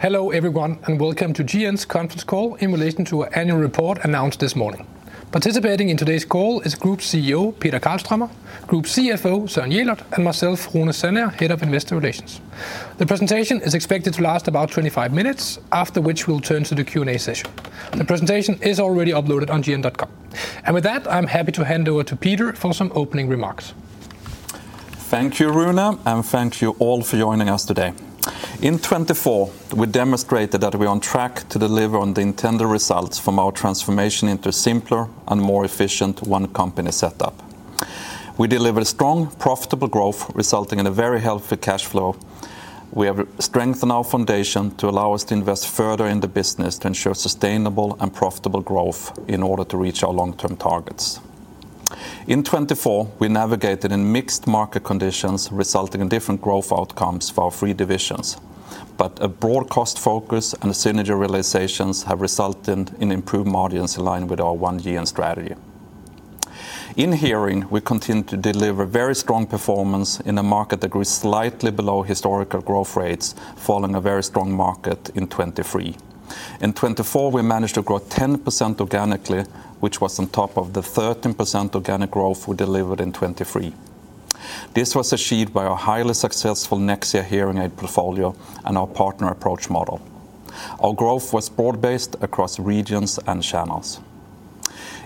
Hello everyone, and welcome to GN's conference call in relation to our annual report announced this morning. Participating in today's call is Group CEO Peter Karlströmer, Group CFO Søren Jelert, and myself, Rune Sandager, Head of Investor Relations. The presentation is expected to last about 25 minutes, after which we'll turn to the Q&A session. The presentation is already uploaded on gn.com. And with that, I'm happy to hand over to Peter for some opening remarks. Thank you, Rune, and thank you all for joining us today. In 2024, we demonstrated that we are on track to deliver on the intended results from our transformation into a simpler and more efficient one-company setup. We delivered strong, profitable growth, resulting in a very healthy cash flow. We have strengthened our foundation to allow us to invest further in the business to ensure sustainable and profitable growth in order to reach our long-term targets. In 2024, we navigated in mixed market conditions, resulting in different growth outcomes for our three divisions, but a broad cost focus and synergy realizations have resulted in improved margins in line with our One-GN strategy. In hearing, we continue to deliver very strong performance in a market that grew slightly below historical growth rates, following a very strong market in 2023. In 2024, we managed to grow 10% organically, which was on top of the 13% organic growth we delivered in 2023. This was achieved by our highly successful Nexia hearing aid portfolio and our partner approach model. Our growth was broad-based across regions and channels.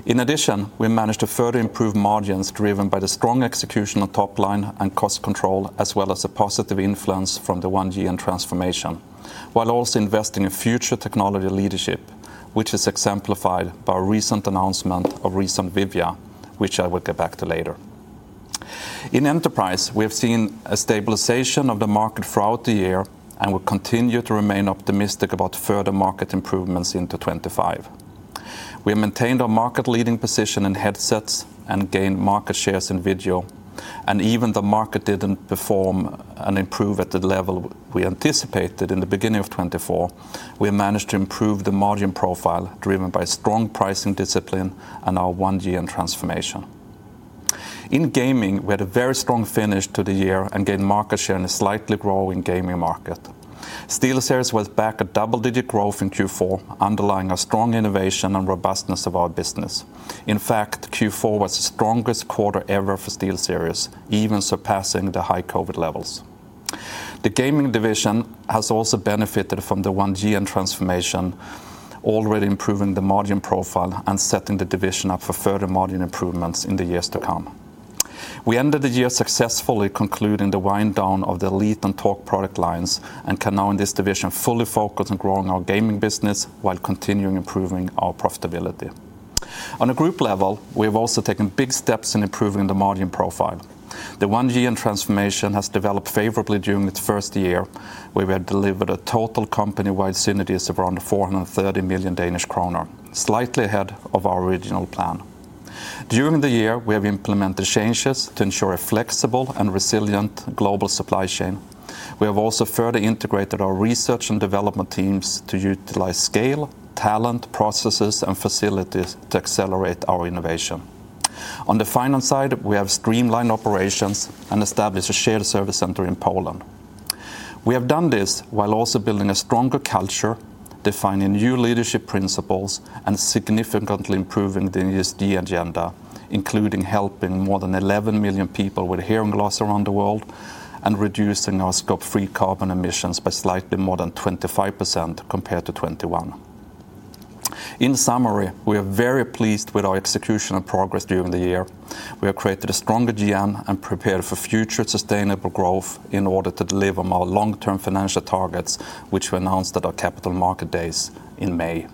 In addition, we managed to further improve margins driven by the strong execution on top line and cost control, as well as a positive influence from the One-GN transformation, while also investing in future technology leadership, which is exemplified by our recent announcement of ReSound Vivia, which I will get back to later. In enterprise, we have seen a stabilization of the market throughout the year and will continue to remain optimistic about further market improvements into 2025. We have maintained our market-leading position in headsets and gained market shares in video. Even though the market didn't perform and improve at the level we anticipated in the beginning of 2024, we managed to improve the margin profile driven by strong pricing discipline and our One-GN transformation. In gaming, we had a very strong finish to the year and gained market share in a slightly growing gaming market. SteelSeries was back at double-digit growth in Q4, underlying our strong innovation and robustness of our business. In fact, Q4 was the strongest quarter ever for SteelSeries, even surpassing the high COVID levels. The gaming division has also benefited from the One-GN transformation, already improving the margin profile and setting the division up for further margin improvements in the years to come. We ended the year successfully, concluding the wind-down of the Elite and Talk product lines and can now, in this division, fully focus on growing our gaming business while continuing improving our profitability. On a group level, we have also taken big steps in improving the margin profile. The One-GN transformation has developed favorably during its first year, where we have delivered a total company-wide synergy of around 430 million Danish kroner, slightly ahead of our original plan. During the year, we have implemented changes to ensure a flexible and resilient global supply chain. We have also further integrated our research and development teams to utilize scale, talent, processes, and facilities to accelerate our innovation. On the finance side, we have streamlined operations and established a shared service center in Poland. We have done this while also building a stronger culture, defining new leadership principles, and significantly improving the ESG agenda, including helping more than 11 million people with hearing loss around the world and reducing our Scope 3 carbon emissions by slightly more than 25% compared to 2021. In summary, we are very pleased with our execution and progress during the year. We have created a stronger GN and prepared for future sustainable growth in order to deliver on our long-term financial targets, which we announced at our capital market days in May.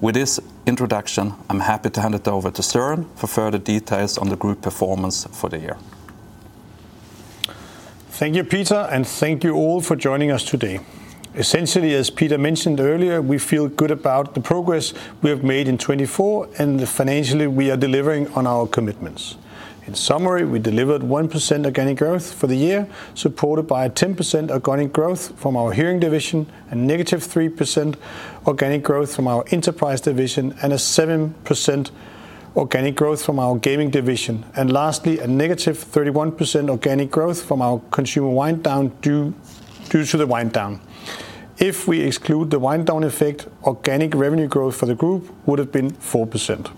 With this introduction, I'm happy to hand it over to Søren for further details on the group performance for the year. Thank you, Peter, and thank you all for joining us today. Essentially, as Peter mentioned earlier, we feel good about the progress we have made in 2024 and financially we are delivering on our commitments. In summary, we delivered 1% organic growth for the year, supported by a 10% organic growth from our hearing division, a -3% organic growth from our enterprise division, and a 7% organic growth from our gaming division, and lastly, a -31% organic growth from our consumer wind-down due to the wind-down. If we exclude the wind-down effect, organic revenue growth for the group would have been 4%.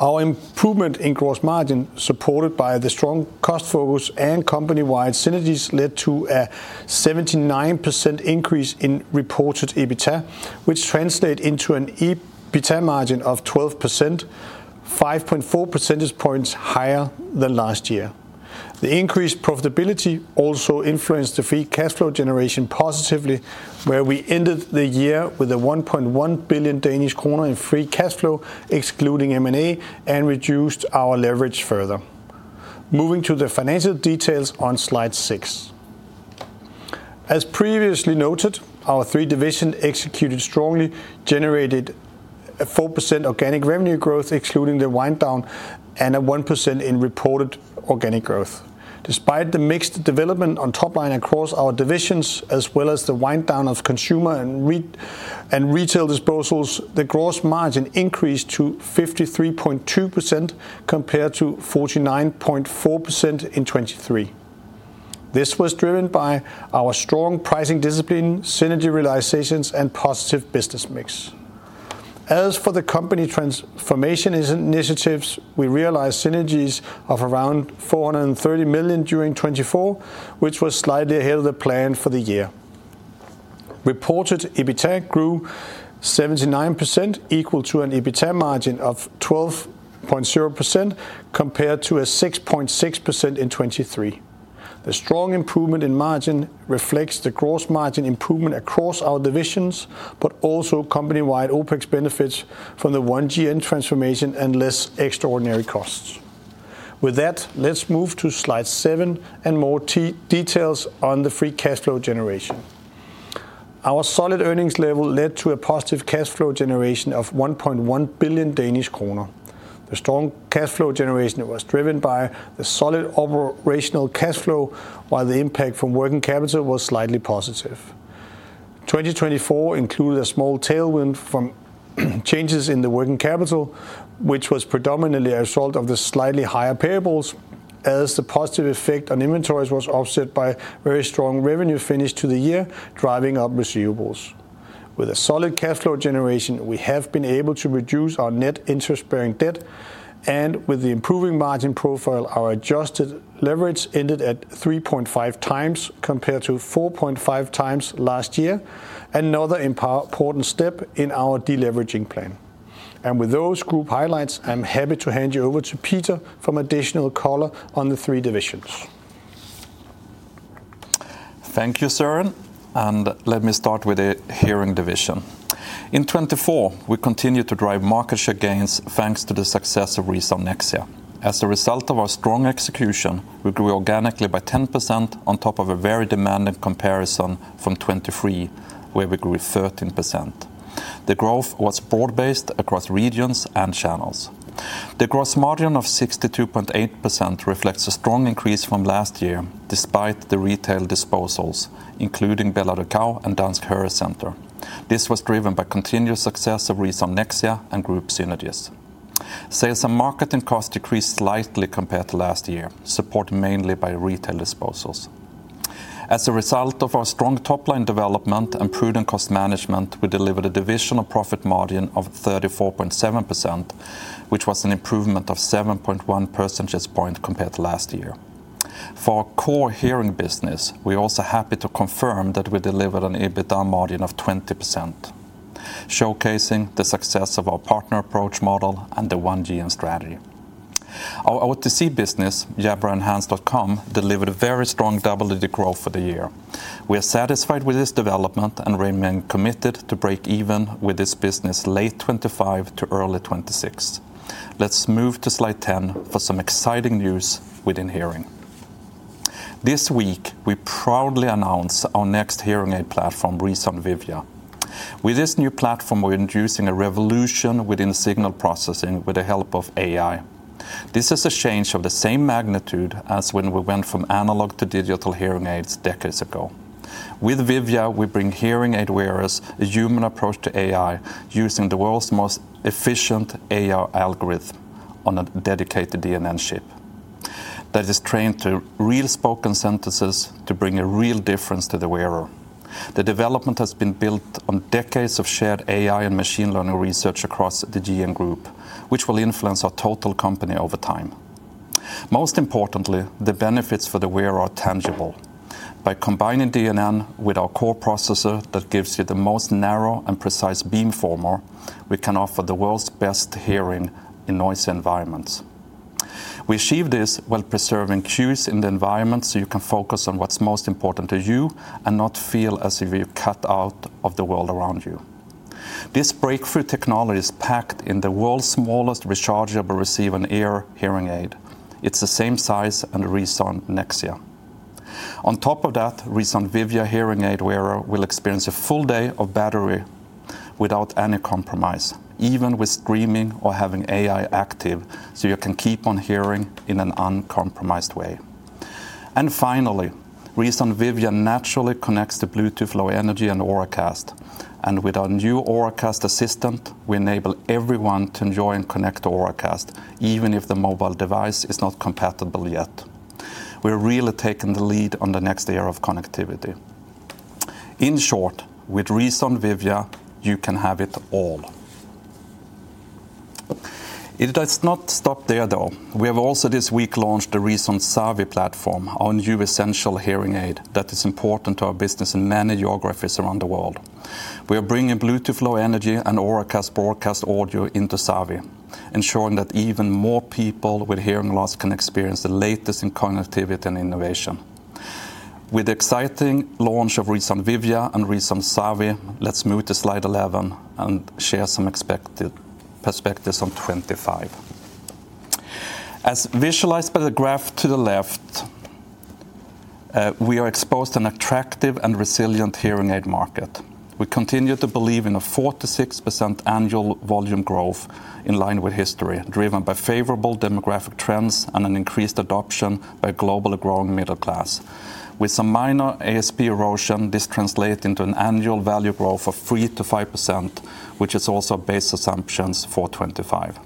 Our improvement in gross margin, supported by the strong cost focus and company-wide synergies, led to a 79% increase in reported EBITDA, which translated into an EBITDA margin of 12%, 5.4 percentage points higher than last year. The increased profitability also influenced the free cash flow generation positively, where we ended the year with 1.1 billion Danish kroner in free cash flow, excluding M&A, and reduced our leverage further. Moving to the financial details on slide six. As previously noted, our three divisions executed strongly, generated 4% organic revenue growth, excluding the wind-down, and 1% in reported organic growth. Despite the mixed development on top line across our divisions, as well as the wind-down of consumer and retail disposals, the gross margin increased to 53.2% compared to 49.4% in 2023. This was driven by our strong pricing discipline, synergy realizations, and positive business mix. As for the company transformation initiatives, we realized synergies of around 430 million during 2024, which was slightly ahead of the plan for the year. Reported EBITDA grew 79%, equal to an EBITDA margin of 12.0% compared to a 6.6% in 2023. The strong improvement in margin reflects the gross margin improvement across our divisions, but also company-wide OpEx benefits from the One-GN transformation and less extraordinary costs. With that, let's move to slide seven and more details on the free cash flow generation. Our solid earnings level led to a positive cash flow generation of 1.1 billion Danish kroner. The strong cash flow generation was driven by the solid operational cash flow, while the impact from working capital was slightly positive. 2024 included a small tailwind from changes in the working capital, which was predominantly a result of the slightly higher payables, as the positive effect on inventories was offset by very strong revenue finish to the year, driving up receivables. With a solid cash flow generation, we have been able to reduce our net interest-bearing debt, and with the improving margin profile, our adjusted leverage ended at 3.5x compared to 4.5x last year, another important step in our deleveraging plan and with those group highlights, I'm happy to hand you over to Peter for an additional color on the three divisions. Thank you, Søren, and let me start with the hearing division. In 2024, we continued to drive market share gains thanks to the success of ReSound Nexia. As a result of our strong execution, we grew organically by 10% on top of a very demanding comparison from 2023, where we grew 13%. The growth was broad-based across regions and channels. The gross margin of 62.8% reflects a strong increase from last year, despite the retail disposals, including BelAudição and Dansk HøreCenter. This was driven by continued success of ReSound Nexia and group synergies. Sales and marketing costs decreased slightly compared to last year, supported mainly by retail disposals. As a result of our strong top line development and prudent cost management, we delivered a divisional profit margin of 34.7%, which was an improvement of 7.1 percentage points compared to last year. For our Core Hearing business, we are also happy to confirm that we delivered an EBITDA margin of 20%, showcasing the success of our partner approach model and the One-GN strategy. Our OTC business, JabraEnhance.com, delivered a very strong double-digit growth for the year. We are satisfied with this development and remain committed to break even with this business late 2025 to early 2026. Let's move to slide 10 for some exciting news within hearing. This week, we proudly announced our next hearing aid platform, ReSound Vivia. With this new platform, we're introducing a revolution within signal processing with the help of AI. This is a change of the same magnitude as when we went from analog to digital hearing aids decades ago. With Vivia, we bring hearing aid wearers a human approach to AI, using the world's most efficient AI algorithm on a dedicated DNN chip that is trained to real spoken sentences to bring a real difference to the wearer. The development has been built on decades of shared AI and machine learning research across the GN Group, which will influence our total company over time. Most importantly, the benefits for the wearer are tangible. By combining DNN with our core processor that gives you the most narrow and precise beamformer, we can offer the world's best hearing in noisy environments. We achieve this while preserving cues in the environment so you can focus on what's most important to you and not feel as if you're cut out of the world around you. This breakthrough technology is packed in the world's smallest rechargeable receiver-in-ear hearing aid. It's the same size as the ReSound Nexia. On top of that, ReSound Vivia hearing aid wearer will experience a full day of battery without any compromise, even with streaming or having AI active, so you can keep on hearing in an uncompromised way. Finally, ReSound Vivia naturally connects to Bluetooth Low Energy and Auracast. With our new Auracast Assistant, we enable everyone to enjoy and connect to Auracast, even if the mobile device is not compatible yet. We're really taking the lead on the next era of connectivity. In short, with ReSound Vivia, you can have it all. It does not stop there, though. We have also this week launched the ReSound Savi platform, our new essential hearing aid that is important to our business in many geographies around the world. We are bringing Bluetooth Low Energy and Auracast broadcast audio into Savi, ensuring that even more people with hearing loss can experience the latest in connectivity and innovation. With the exciting launch of ReSound Vivia and ReSound Savi, let's move to slide 11 and share some expected perspectives on 2025. As visualized by the graph to the left, we are exposed to an attractive and resilient hearing aid market. We continue to believe in a 4% to 6% annual volume growth in line with history, driven by favorable demographic trends and an increased adoption by a globally growing middle class. With some minor ASP erosion, this translates into an annual value growth of 3% to 5%, which is also a base assumption for 2025.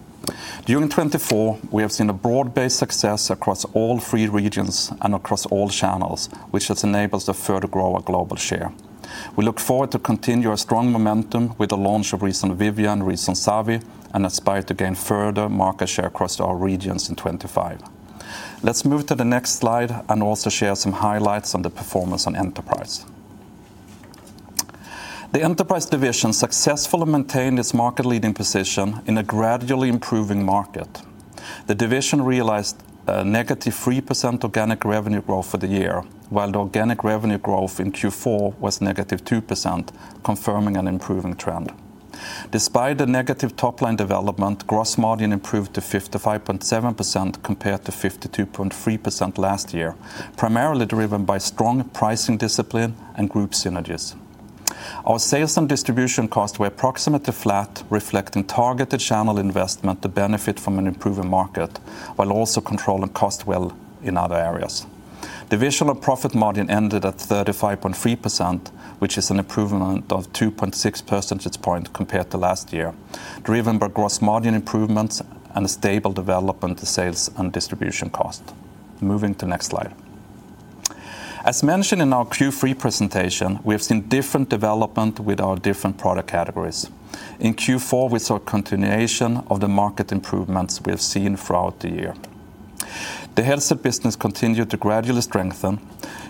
During 2024, we have seen a broad-based success across all three regions and across all channels, which has enabled a further growth in our global share. We look forward to continuing our strong momentum with the launch of ReSound Vivia and ReSound Savi and aspire to gain further market share across our regions in 2025. Let's move to the next slide and also share some highlights on the performance of enterprise. The enterprise division successfully maintained its market-leading position in a gradually improving market. The division realized a -3% organic revenue growth for the year, while the organic revenue growth in Q4 was -2%, confirming an improving trend. Despite the negative top line development, gross margin improved to 55.7% compared to 52.3% last year, primarily driven by strong pricing discipline and group synergies. Our sales and distribution costs were approximately flat, reflecting targeted channel investment to benefit from an improving market, while also controlling cost well in other areas. Divisional profit margin ended at 35.3%, which is an improvement of 2.6 percentage points compared to last year, driven by gross margin improvements and a stable development of sales and distribution costs. Moving to the next slide. As mentioned in our Q3 presentation, we have seen different development with our different product categories. In Q4, we saw a continuation of the market improvements we have seen throughout the year. The health business continued to gradually strengthen.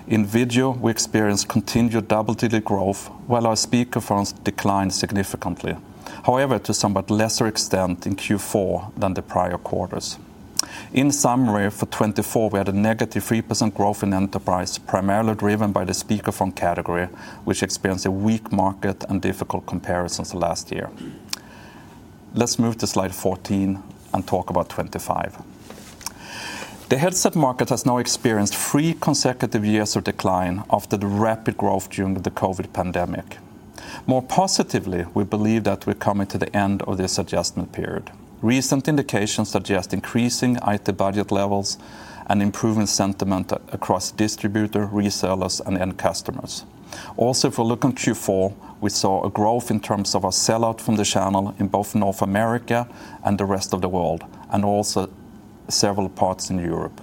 In video, we experienced continued double-digit growth, while our speakerphones declined significantly. However, to a somewhat lesser extent in Q4 than the prior quarters. In summary, for 2024, we had a -3% growth in enterprise, primarily driven by the speakerphone category, which experienced a weak market and difficult comparisons last year. Let's move to slide 14 and talk about 2025. The headset market has now experienced three consecutive years of decline after the rapid growth during the COVID pandemic. More positively, we believe that we're coming to the end of this adjustment period. Recent indications suggest increasing IT budget levels and improving sentiment across distributors, resellers, and end customers. Also, if we look on Q4, we saw a growth in terms of our sell-out from the channel in both North America and the rest of the world, and also several parts in Europe.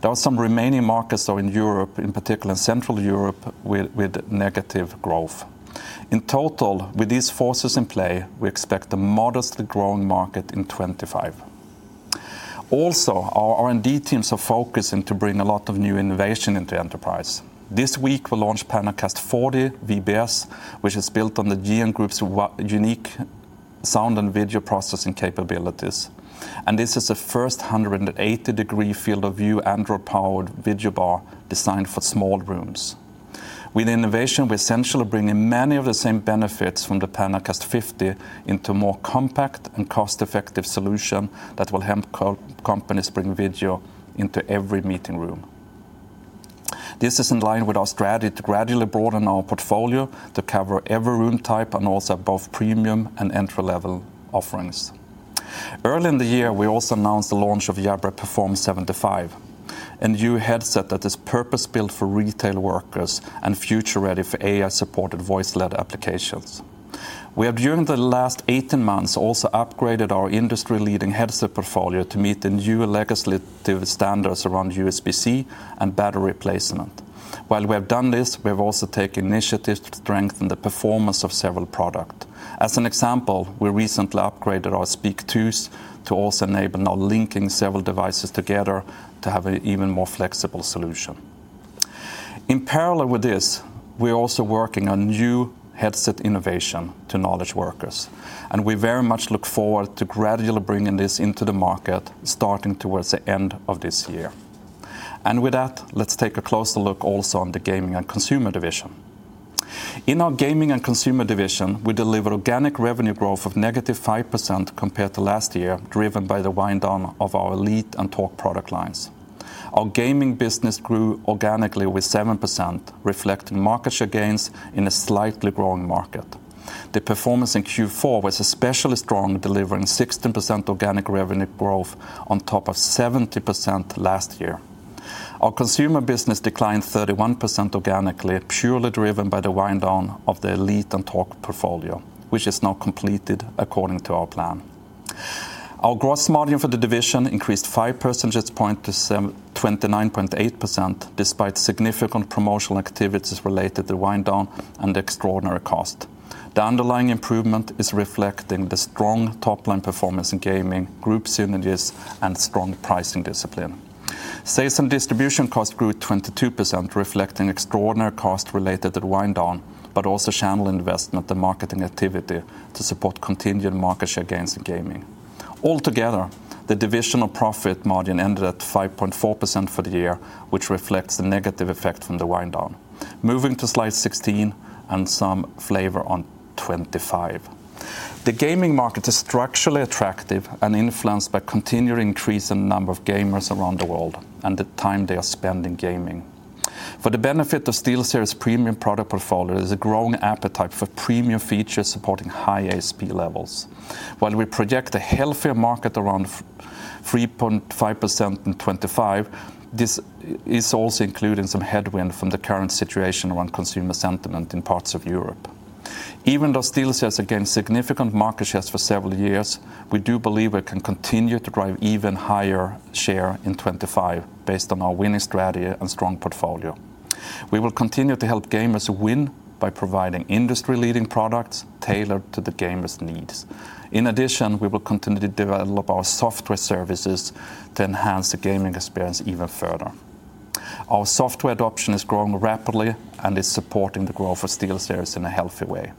There are some remaining markets in Europe, in particular in Central Europe, with negative growth. In total, with these forces in play, we expect a modestly growing market in 2025. Also, our R&D teams are focusing to bring a lot of new innovation into enterprise. This week, we launched PanaCast 40 VBS, which is built on the GN Group's unique sound and video processing capabilities. This is a first 180-degree field of view, Android-powered video bar designed for small rooms. With innovation, we're essentially bringing many of the same benefits from the PanaCast 50 into a more compact and cost-effective solution that will help companies bring video into every meeting room. This is in line with our strategy to gradually broaden our portfolio to cover every room type and also both premium and entry-level offerings. Early in the year, we also announced the launch of Jabra Perform 75, a new headset that is purpose-built for retail workers and future-ready for AI-supported voice-led applications. We have, during the last 18 months, also upgraded our industry-leading headset portfolio to meet the new legislative standards around USB-C and battery placement. While we have done this, we have also taken initiatives to strengthen the performance of several products. As an example, we recently upgraded our Speak2 to also enable now linking several devices together to have an even more flexible solution. In parallel with this, we are also working on new headset innovation to knowledge workers, and we very much look forward to gradually bringing this into the market starting towards the end of this year, and with that, let's take a closer look also on the gaming and consumer division. In our gaming and consumer division, we deliver organic revenue growth of -5% compared to last year, driven by the wind-down of our Elite and Talk product lines. Our gaming business grew organically with 7%, reflecting market share gains in a slightly growing market. The performance in Q4 was especially strong, delivering 16% organic revenue growth on top of 70% last year. Our consumer business declined 31% organically, purely driven by the wind-down of the Elite and Talk portfolio, which is now completed according to our plan. Our gross margin for the division increased 5 percentage points to 29.8%, despite significant promotional activities related to the wind-down and extraordinary cost. The underlying improvement is reflecting the strong top-line performance in gaming, group synergies, and strong pricing discipline. Sales and distribution costs grew 22%, reflecting extraordinary costs related to the wind-down, but also channel investment and marketing activity to support continued market share gains in gaming. Altogether, the divisional profit margin ended at 5.4% for the year, which reflects the negative effect from the wind-down. Moving to slide 16 and some flavor on 2025. The gaming market is structurally attractive and influenced by continued increase in the number of gamers around the world and the time they are spending gaming. For the benefit of SteelSeries' premium product portfolio, there is a growing appetite for premium features supporting high ASP levels. While we project a healthier market around 3.5% in 2025, this is also including some headwind from the current situation around consumer sentiment in parts of Europe. Even though SteelSeries has gained significant market shares for several years, we do believe we can continue to drive even higher share in 2025 based on our winning strategy and strong portfolio. We will continue to help gamers win by providing industry-leading products tailored to the gamers' needs. In addition, we will continue to develop our software services to enhance the gaming experience even further. Our software adoption is growing rapidly and is supporting the growth of SteelSeries in a healthy way.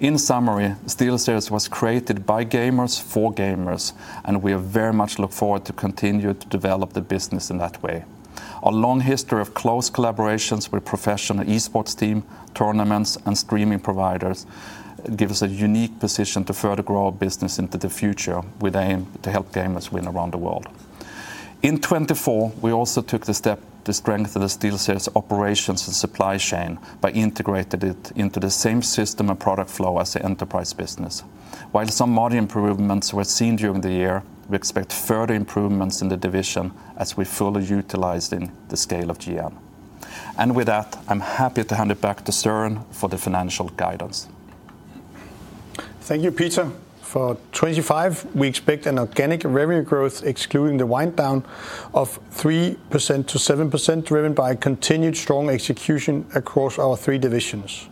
In summary, SteelSeries was created by gamers for gamers, and we very much look forward to continuing to develop the business in that way. Our long history of close collaborations with professional eSports teams, tournaments, and streaming providers gives us a unique position to further grow our business into the future with the aim to help gamers win around the world. In 2024, we also took the step to strengthen the SteelSeries operations and supply chain by integrating it into the same system and product flow as the enterprise business. While some minor improvements were seen during the year, we expect further improvements in the division as we fully utilize the scale of GN, and with that, I'm happy to hand it back to Søren for the financial guidance. Thank you, Peter. For 2025, we expect an organic revenue growth, excluding the wind-down, of 3% to 7%, driven by continued strong execution across our three divisions.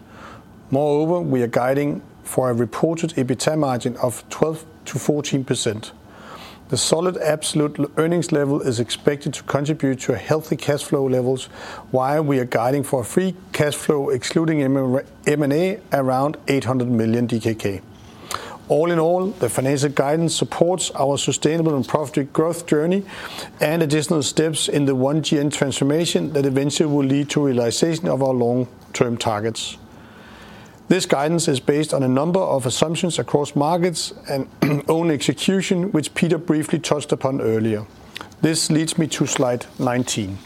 Moreover, we are guiding for a reported EBITDA margin of 12% to 14%. The solid absolute earnings level is expected to contribute to healthy cash flow levels, while we are guiding for a free cash flow, excluding M&A, around 800 million DKK. All in all, the financial guidance supports our sustainable and profitable growth journey and additional steps in the One-GN transformation that eventually will lead to realization of our long-term targets. This guidance is based on a number of assumptions across markets and own execution, which Peter briefly touched upon earlier. This leads me to slide 19.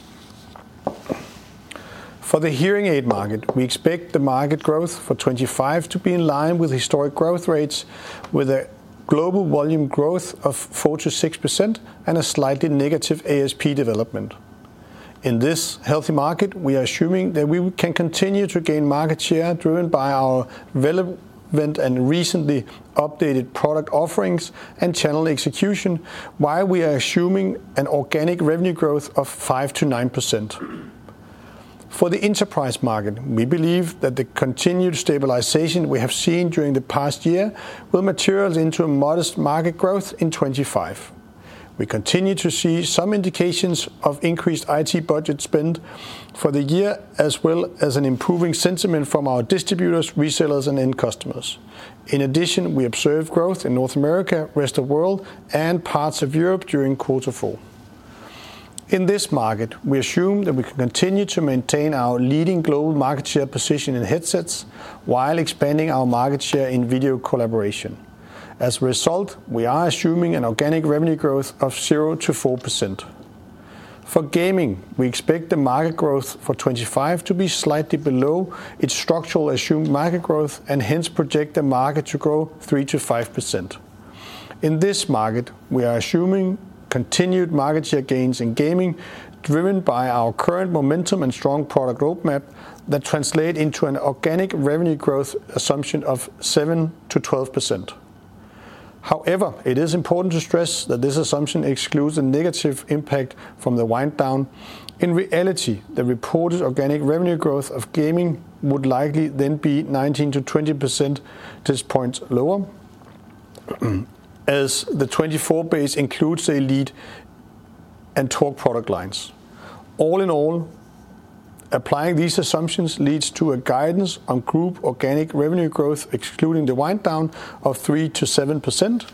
For the hearing aid market, we expect the market growth for 2025 to be in line with historic growth rates, with a global volume growth of 4% to 6% and a slightly negative ASP development. In this healthy market, we are assuming that we can continue to gain market share driven by our relevant and recently updated product offerings and channel execution, while we are assuming an organic revenue growth of 5% to 9%. For the enterprise market, we believe that the continued stabilization we have seen during the past year will materialize into a modest market growth in 2025. We continue to see some indications of increased IT budget spend for the year, as well as an improving sentiment from our distributors, resellers, and end customers. In addition, we observe growth in North America, the rest of the world, and parts of Europe during Q4. In this market, we assume that we can continue to maintain our leading global market share position in headsets while expanding our market share in video collaboration. As a result, we are assuming an organic revenue growth of 0% to 4%. For gaming, we expect the market growth for 2025 to be slightly below its structural assumed market growth and hence project the market to grow 3% to 5%. In this market, we are assuming continued market share gains in gaming, driven by our current momentum and strong product roadmap that translate into an organic revenue growth assumption of 7% to 12%. However, it is important to stress that this assumption excludes a negative impact from the wind-down. In reality, the reported organic revenue growth of gaming would likely then be 19% to 20% percentage points lower, as the 2024 base includes the Elite and Talk product lines. All in all, applying these assumptions leads to a guidance on group organic revenue growth, excluding the wind-down, of 3% to 7%.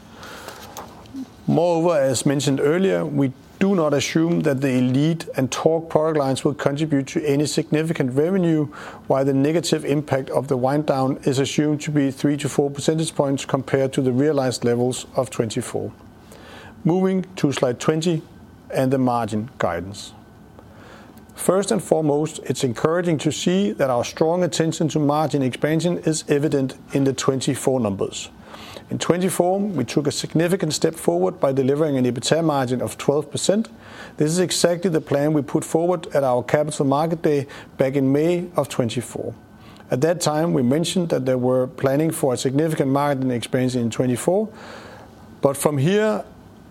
Moreover, as mentioned earlier, we do not assume that the Elite and Talk product lines will contribute to any significant revenue, while the negative impact of the wind-down is assumed to be 3% to 4% compared to the realized levels of 2024. Moving to slide 20 and the margin guidance. First and foremost, it's encouraging to see that our strong attention to margin expansion is evident in the 2024 numbers. In 2024, we took a significant step forward by delivering an EBITDA margin of 12%. This is exactly the plan we put forward at our capital market day back in May of 2024. At that time, we mentioned that there were planning for a significant margin expansion in 2024, but from here,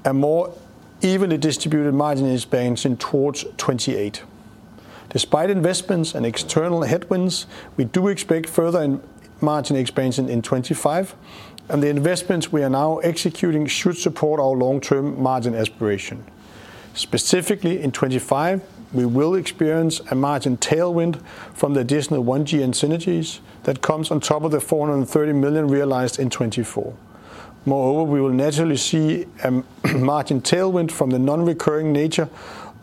a more evenly distributed margin expansion towards 2028. Despite investments and external headwinds, we do expect further margin expansion in 2025, and the investments we are now executing should support our long-term margin aspiration. Specifically, in 2025, we will experience a margin tailwind from the additional One-GN synergies that comes on top of the 430 million realized in 2024. Moreover, we will naturally see a margin tailwind from the non-recurring nature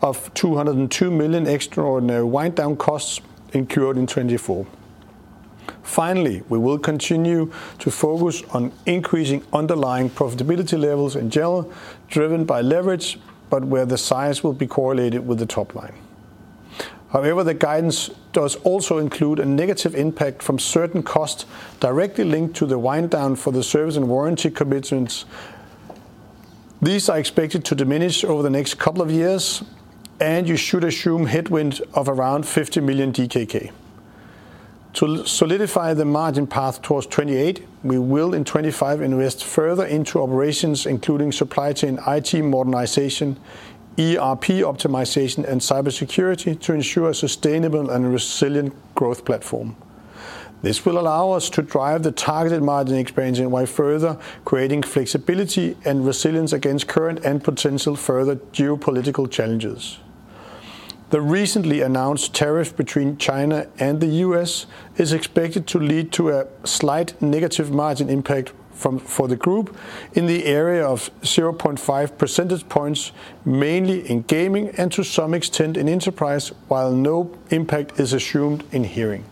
of 202 million extraordinary wind-down costs incurred in 2024. Finally, we will continue to focus on increasing underlying profitability levels in general, driven by leverage, but where the size will be correlated with the top line. However, the guidance does also include a negative impact from certain costs directly linked to the wind-down for the service and warranty commitments. These are expected to diminish over the next couple of years, and you should assume headwinds of around 50 million DKK. To solidify the margin path towards 2028, we will in 2025 invest further into operations, including supply chain IT modernization, ERP optimization, and cybersecurity to ensure a sustainable and resilient growth platform. This will allow us to drive the targeted margin expansion while further creating flexibility and resilience against current and potential further geopolitical challenges. The recently announced tariff between China and the U.S. is expected to lead to a slight negative margin impact for the group in the area of 0.5 percentage points, mainly in gaming and to some extent in enterprise, while no impact is assumed in hearing.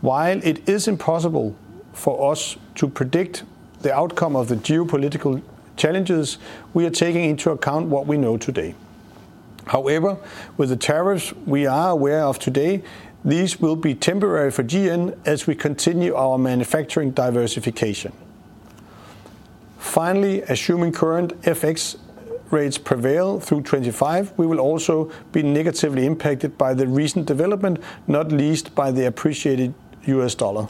While it is impossible for us to predict the outcome of the geopolitical challenges, we are taking into account what we know today. However, with the tariffs we are aware of today, these will be temporary for GN as we continue our manufacturing diversification. Finally, assuming current FX rates prevail through 2025, we will also be negatively impacted by the recent development, not least by the appreciated U.S. dollar.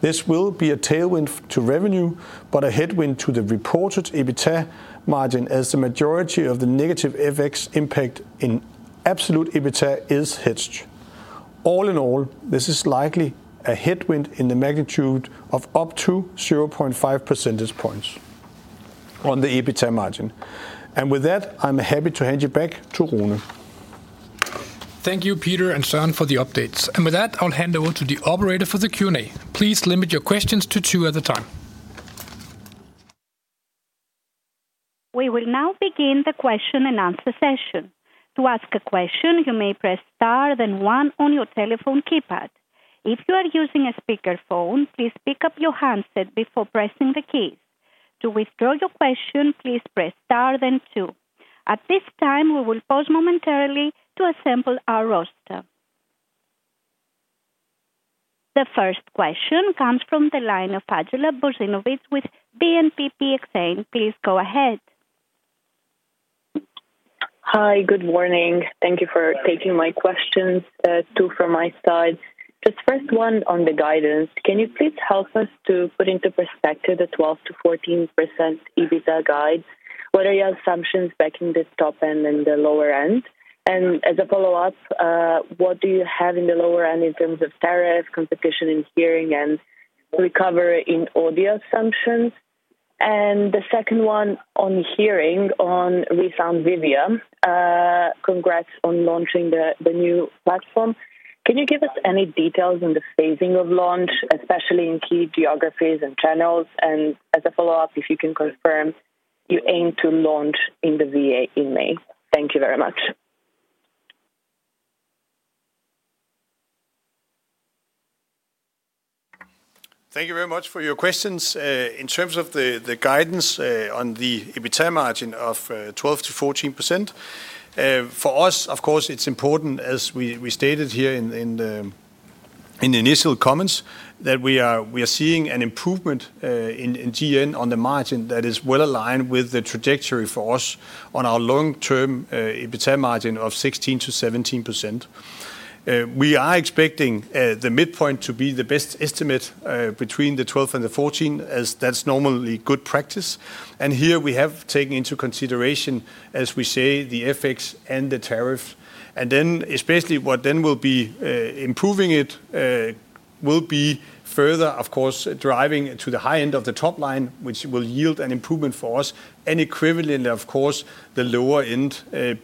This will be a tailwind to revenue, but a headwind to the reported EBITDA margin as the majority of the negative FX impact in absolute EBITDA is hedged. All in all, this is likely a headwind in the magnitude of up to 0.5 percentage points on the EBITDA margin. And with that, I'm happy to hand you back to Rune. Thank you, Peter and Søren, for the updates. And with that, I'll hand over to the operator for the Q&A. Please limit your questions to two at a time. We will now begin the question and answer session. To ask a question, you may press star then one on your telephone keypad. If you are using a speakerphone, please pick up your handset before pressing the keys. To withdraw your question, please press star then two. At this time, we will pause momentarily to assemble our roster. The first question comes from the line of Andjela Bozinovic with BNPP Exane. Please go ahead. Hi, good morning. Thank you for taking my questions. Two from my side. Just first one on the guidance. Can you please help us to put into perspective the 12% to 14% EBITDA guide? What are your assumptions backing the top end and the lower end? And as a follow-up, what do you have in the lower end in terms of tariff, competition in hearing, and recovery in audio assumptions? And the second one on hearing on ReSound Vivia. Congrats on launching the new platform. Can you give us any details on the phasing of launch, especially in key geographies and channels? And as a follow-up, if you can confirm, you aim to launch in the VA in May. Thank you very much. Thank you very much for your questions. In terms of the guidance on the EBITDA margin of 12% to 14%, for us, of course, it's important, as we stated here in the initial comments, that we are seeing an improvement in GN on the margin that is well aligned with the trajectory for us on our long-term EBITDA margin of 16% to 17%. We are expecting the midpoint to be the best estimate between the 12th and the 14th, as that's normally good practice. Here we have taken into consideration, as we say, the FX and the tariff. Then especially what then will be improving it will be further, of course, driving to the high end of the top line, which will yield an improvement for us, and equivalent, of course, the lower end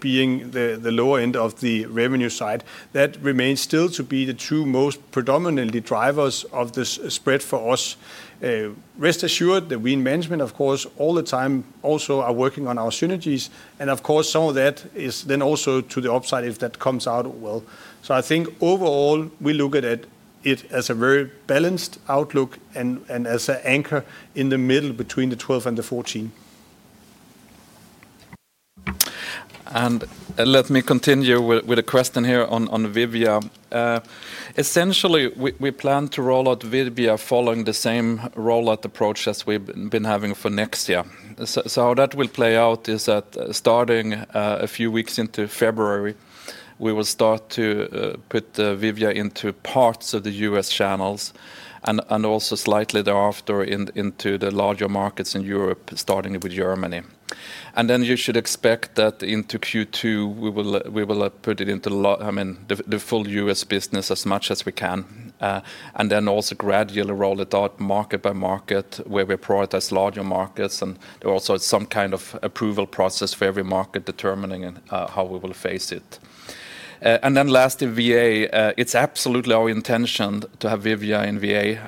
being the lower end of the revenue side. That remains still to be the two most predominantly drivers of this spread for us. Rest assured, the we management, of course, all the time also are working on our synergies. Of course, some of that is then also to the upside if that comes out well. I think overall, we look at it as a very balanced outlook and as an anchor in the middle between the 12% and the 14%. Let me continue with a question here on Vivia. Essentially, we plan to roll out Vivia following the same rollout approach as we've been having for Nexia. So how that will play out is that starting a few weeks into February, we will start to put Vivia into parts of the U.S. channels and also slightly thereafter into the larger markets in Europe, starting with Germany, and then you should expect that into Q2, we will put it into the full U.S. business as much as we can, and then also gradually roll it out market by market where we prioritize larger markets and also some kind of approval process for every market determining how we will phase it, and then lastly, VA, it's absolutely our intention to have Vivia in VA.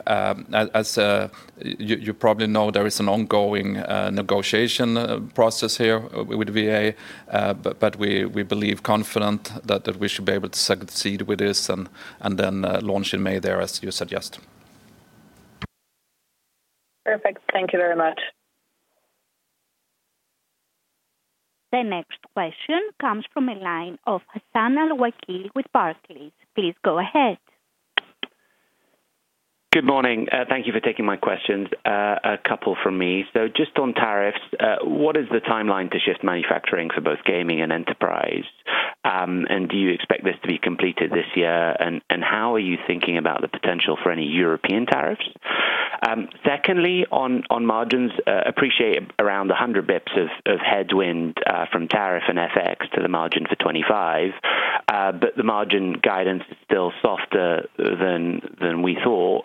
As you probably know, there is an ongoing negotiation process here with VA, but we believe confident that we should be able to succeed with this and then launch in May there, as you suggest. Perfect. Thank you very much. The next question comes from a line of Hassan Al-Wakeel with Barclays. Please go ahead. Good morning. Thank you for taking my questions. A couple from me. So just on tariffs, what is the timeline to shift manufacturing for both gaming and enterprise? And do you expect this to be completed this year? And how are you thinking about the potential for any European tariffs? Secondly, on margins, appreciate around 100 basis points of headwind from tariff and FX to the margin for 2025, but the margin guidance is still softer than we thought.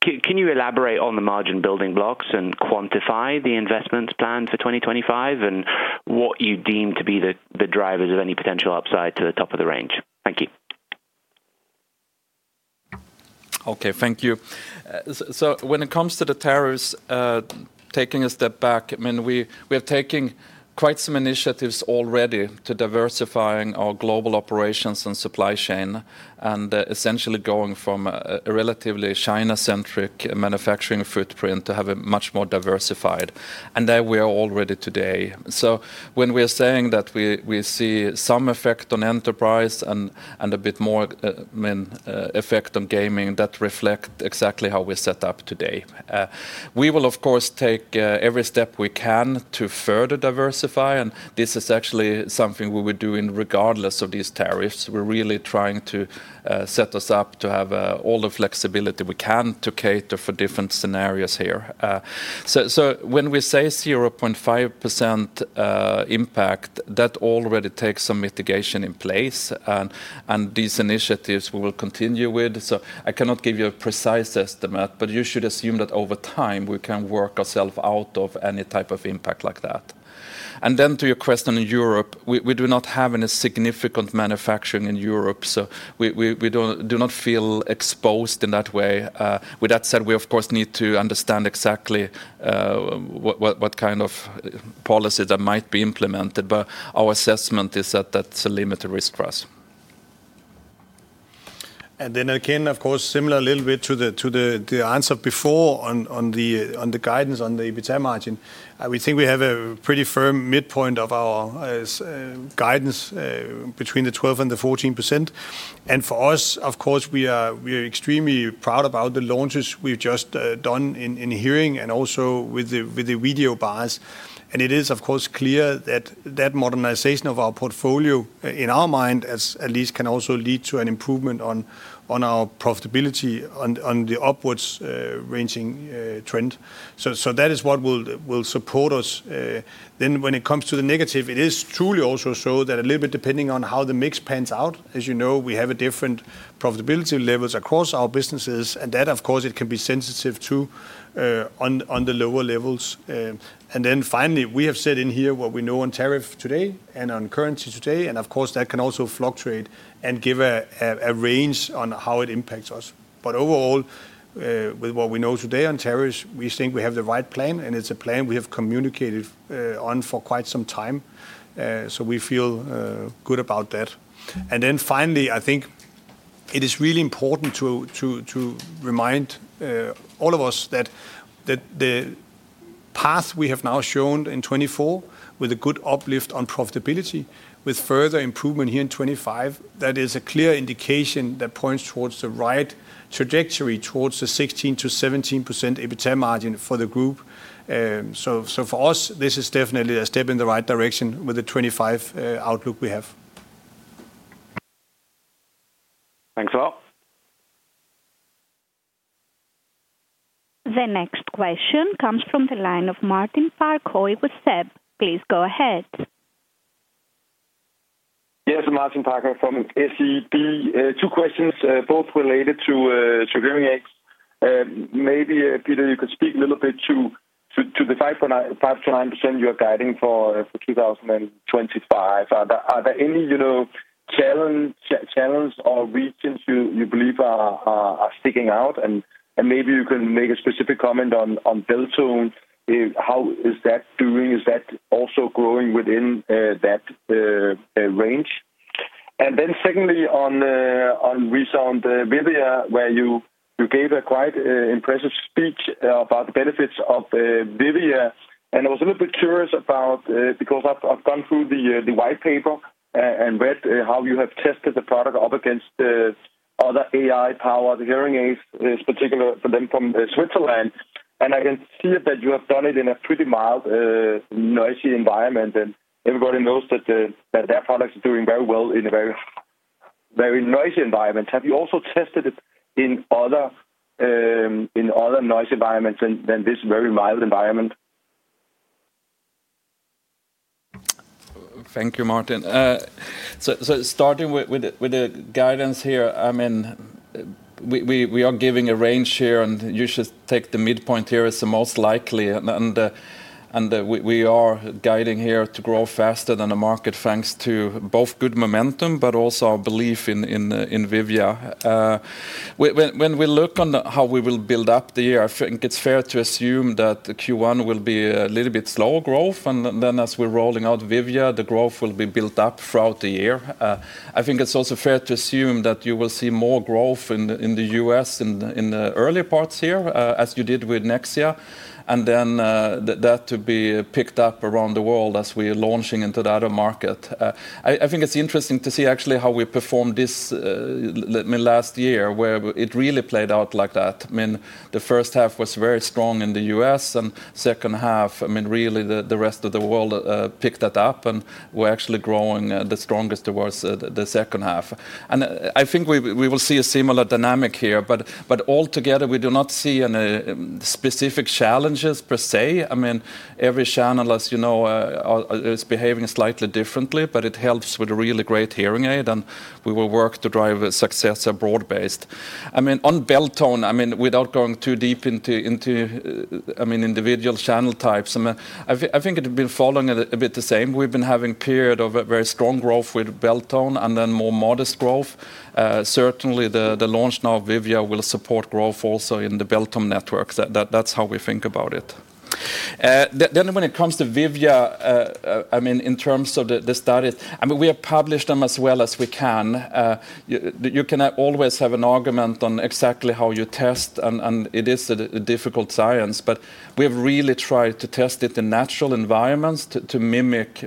Can you elaborate on the margin building blocks and quantify the investment plan for 2025 and what you deem to be the drivers of any potential upside to the top of the range? Thank you. Okay, thank you. So when it comes to the tariffs, taking a step back, I mean, we are taking quite some initiatives already to diversifying our global operations and supply chain and essentially going from a relatively China-centric manufacturing footprint to have a much more diversified. And there we are already today. So when we are saying that we see some effect on enterprise and a bit more effect on gaming, that reflects exactly how we set up today. We will, of course, take every step we can to further diversify, and this is actually something we would do regardless of these tariffs. We're really trying to set us up to have all the flexibility we can to cater for different scenarios here. So when we say 0.5% impact, that already takes some mitigation in place, and these initiatives we will continue with. So I cannot give you a precise estimate, but you should assume that over time we can work ourselves out of any type of impact like that. And then to your question in Europe, we do not have any significant manufacturing in Europe, so we do not feel exposed in that way. With that said, we, of course, need to understand exactly what kind of policies that might be implemented, but our assessment is that that's a limited risk for us. And then again, of course, similar a little bit to the answer before on the guidance on the EBITDA margin, we think we have a pretty firm midpoint of our guidance between 12% and 14%. And for us, of course, we are extremely proud about the launches we've just done in hearing and also with the video bars. It is, of course, clear that that modernization of our portfolio, in our mind at least, can also lead to an improvement on our profitability on the upwards ranging trend. That is what will support us. When it comes to the negative, it is truly also so that a little bit depending on how the mix pans out, as you know, we have different profitability levels across our businesses, and that, of course, it can be sensitive to on the lower levels. Finally, we have set in here what we know on tariff today and on currency today, and of course, that can also fluctuate and give a range on how it impacts us. But overall, with what we know today on tariffs, we think we have the right plan, and it's a plan we have communicated on for quite some time, so we feel good about that. And then finally, I think it is really important to remind all of us that the path we have now shown in 2024, with a good uplift on profitability, with further improvement here in 2025, that is a clear indication that points towards the right trajectory towards the 16% to 17% EBITDA margin for the group. So for us, this is definitely a step in the right direction with the 2025 outlook we have. Thanks a lot. The next question comes from the line of Martin Parkhøi with SEB. Please go ahead. Yes, Martin Parkhøi from SEB. Two questions, both related to hearing aids. Maybe Peter, you could speak a little bit to the 5% to 9% you are guiding for 2025. Are there any challenges or regions you believe are sticking out? And maybe you can make a specific comment on Beltone. How is that doing? Is that also growing within that range? And then secondly, on ReSound Vivia, where you gave a quite impressive speech about the benefits of Vivia. And I was a little bit curious about, because I've gone through the white paper and read how you have tested the product up against other AI-powered hearing aids, particularly for them from Switzerland. And I can see that you have done it in a pretty mild, noisy environment, and everybody knows that their products are doing very well in a very noisy environment. Have you also tested it in other noisy environments than this very mild environment? Thank you, Martin. Starting with the guidance here, I mean, we are giving a range here, and you should take the midpoint here as the most likely. We are guiding here to grow faster than the market, thanks to both good momentum, but also our belief in Vivia. When we look on how we will build up the year, I think it's fair to assume that Q1 will be a little bit slower growth, and then as we're rolling out Vivia, the growth will be built up throughout the year. I think it's also fair to assume that you will see more growth in the U.S. in the early parts here, as you did with Nexia, and then that to be picked up around the world as we are launching into the other market. I think it's interesting to see actually how we performed this last year, where it really played out like that. I mean, the first half was very strong in the U.S., and second half, I mean, really the rest of the world picked that up, and we're actually growing the strongest towards the second half, and I think we will see a similar dynamic here, but altogether, we do not see any specific challenges per se. I mean, every channel, as you know, is behaving slightly differently, but it helps with a really great hearing aid, and we will work to drive success broad-based. I mean, on Beltone, I mean, without going too deep into individual channel types, I mean, I think it has been following a bit the same. We've been having a period of very strong growth with Beltone and then more modest growth. Certainly, the launch now of Vivia will support growth also in the Beltone network. That's how we think about it. Then when it comes to Vivia, I mean, in terms of the studies, I mean, we have published them as well as we can. You can always have an argument on exactly how you test, and it is a difficult science, but we have really tried to test it in natural environments to mimic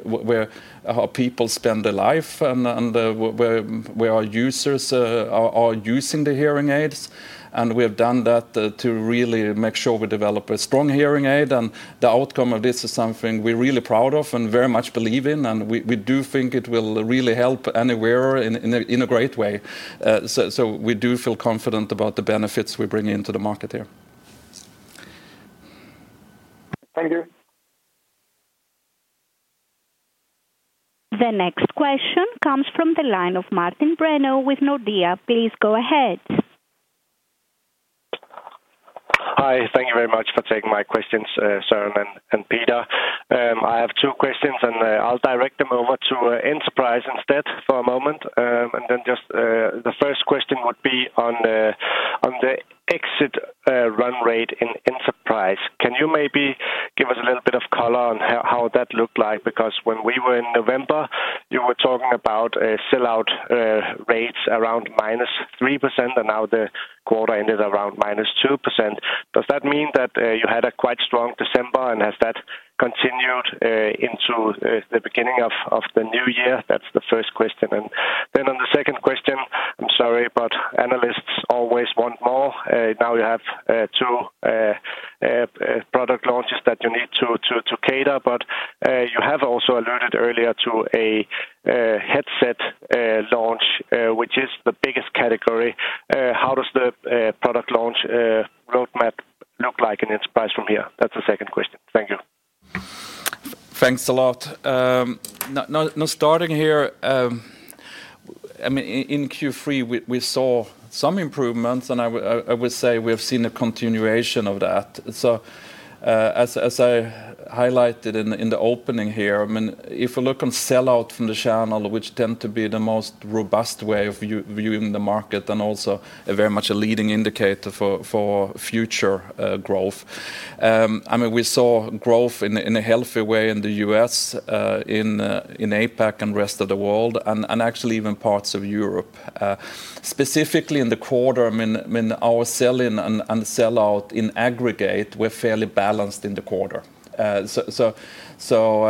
how people spend their life and where our users are using the hearing aids. And we have done that to really make sure we develop a strong hearing aid, and the outcome of this is something we're really proud of and very much believe in, and we do think it will really help anywhere in a great way. So we do feel confident about the benefits we bring into the market here. Thank you. The next question comes from the line of Martin Brenøe with Nordea. Please go ahead. Hi, thank you very much for taking my questions, Søren and Peter. I have two questions, and I'll direct them over to Enterprise instead for a moment. And then just the first question would be on the exit run rate in Enterprise. Can you maybe give us a little bit of color on how that looked like? Because when we were in November, you were talking about sell-out rates around -3%, and now the quarter ended around -2%. Does that mean that you had a quite strong December, and has that continued into the beginning of the new year? That's the first question. And then on the second question, I'm sorry, but analysts always want more. Now you have two product launches that you need to cater, but you have also alluded earlier to a headset launch, which is the biggest category. How does the product launch roadmap look like in Enterprise from here? That's the second question. Thank you. Thanks a lot. Now, starting here, I mean, in Q3, we saw some improvements, and I would say we have seen a continuation of that. So as I highlighted in the opening here, I mean, if we look on sell-out from the channel, which tend to be the most robust way of viewing the market and also very much a leading indicator for future growth. I mean, we saw growth in a healthy way in the U.S., in APAC, and the rest of the world, and actually even parts of Europe. Specifically in the quarter, I mean, our sell-in and sell-out in aggregate, we're fairly balanced in the quarter, so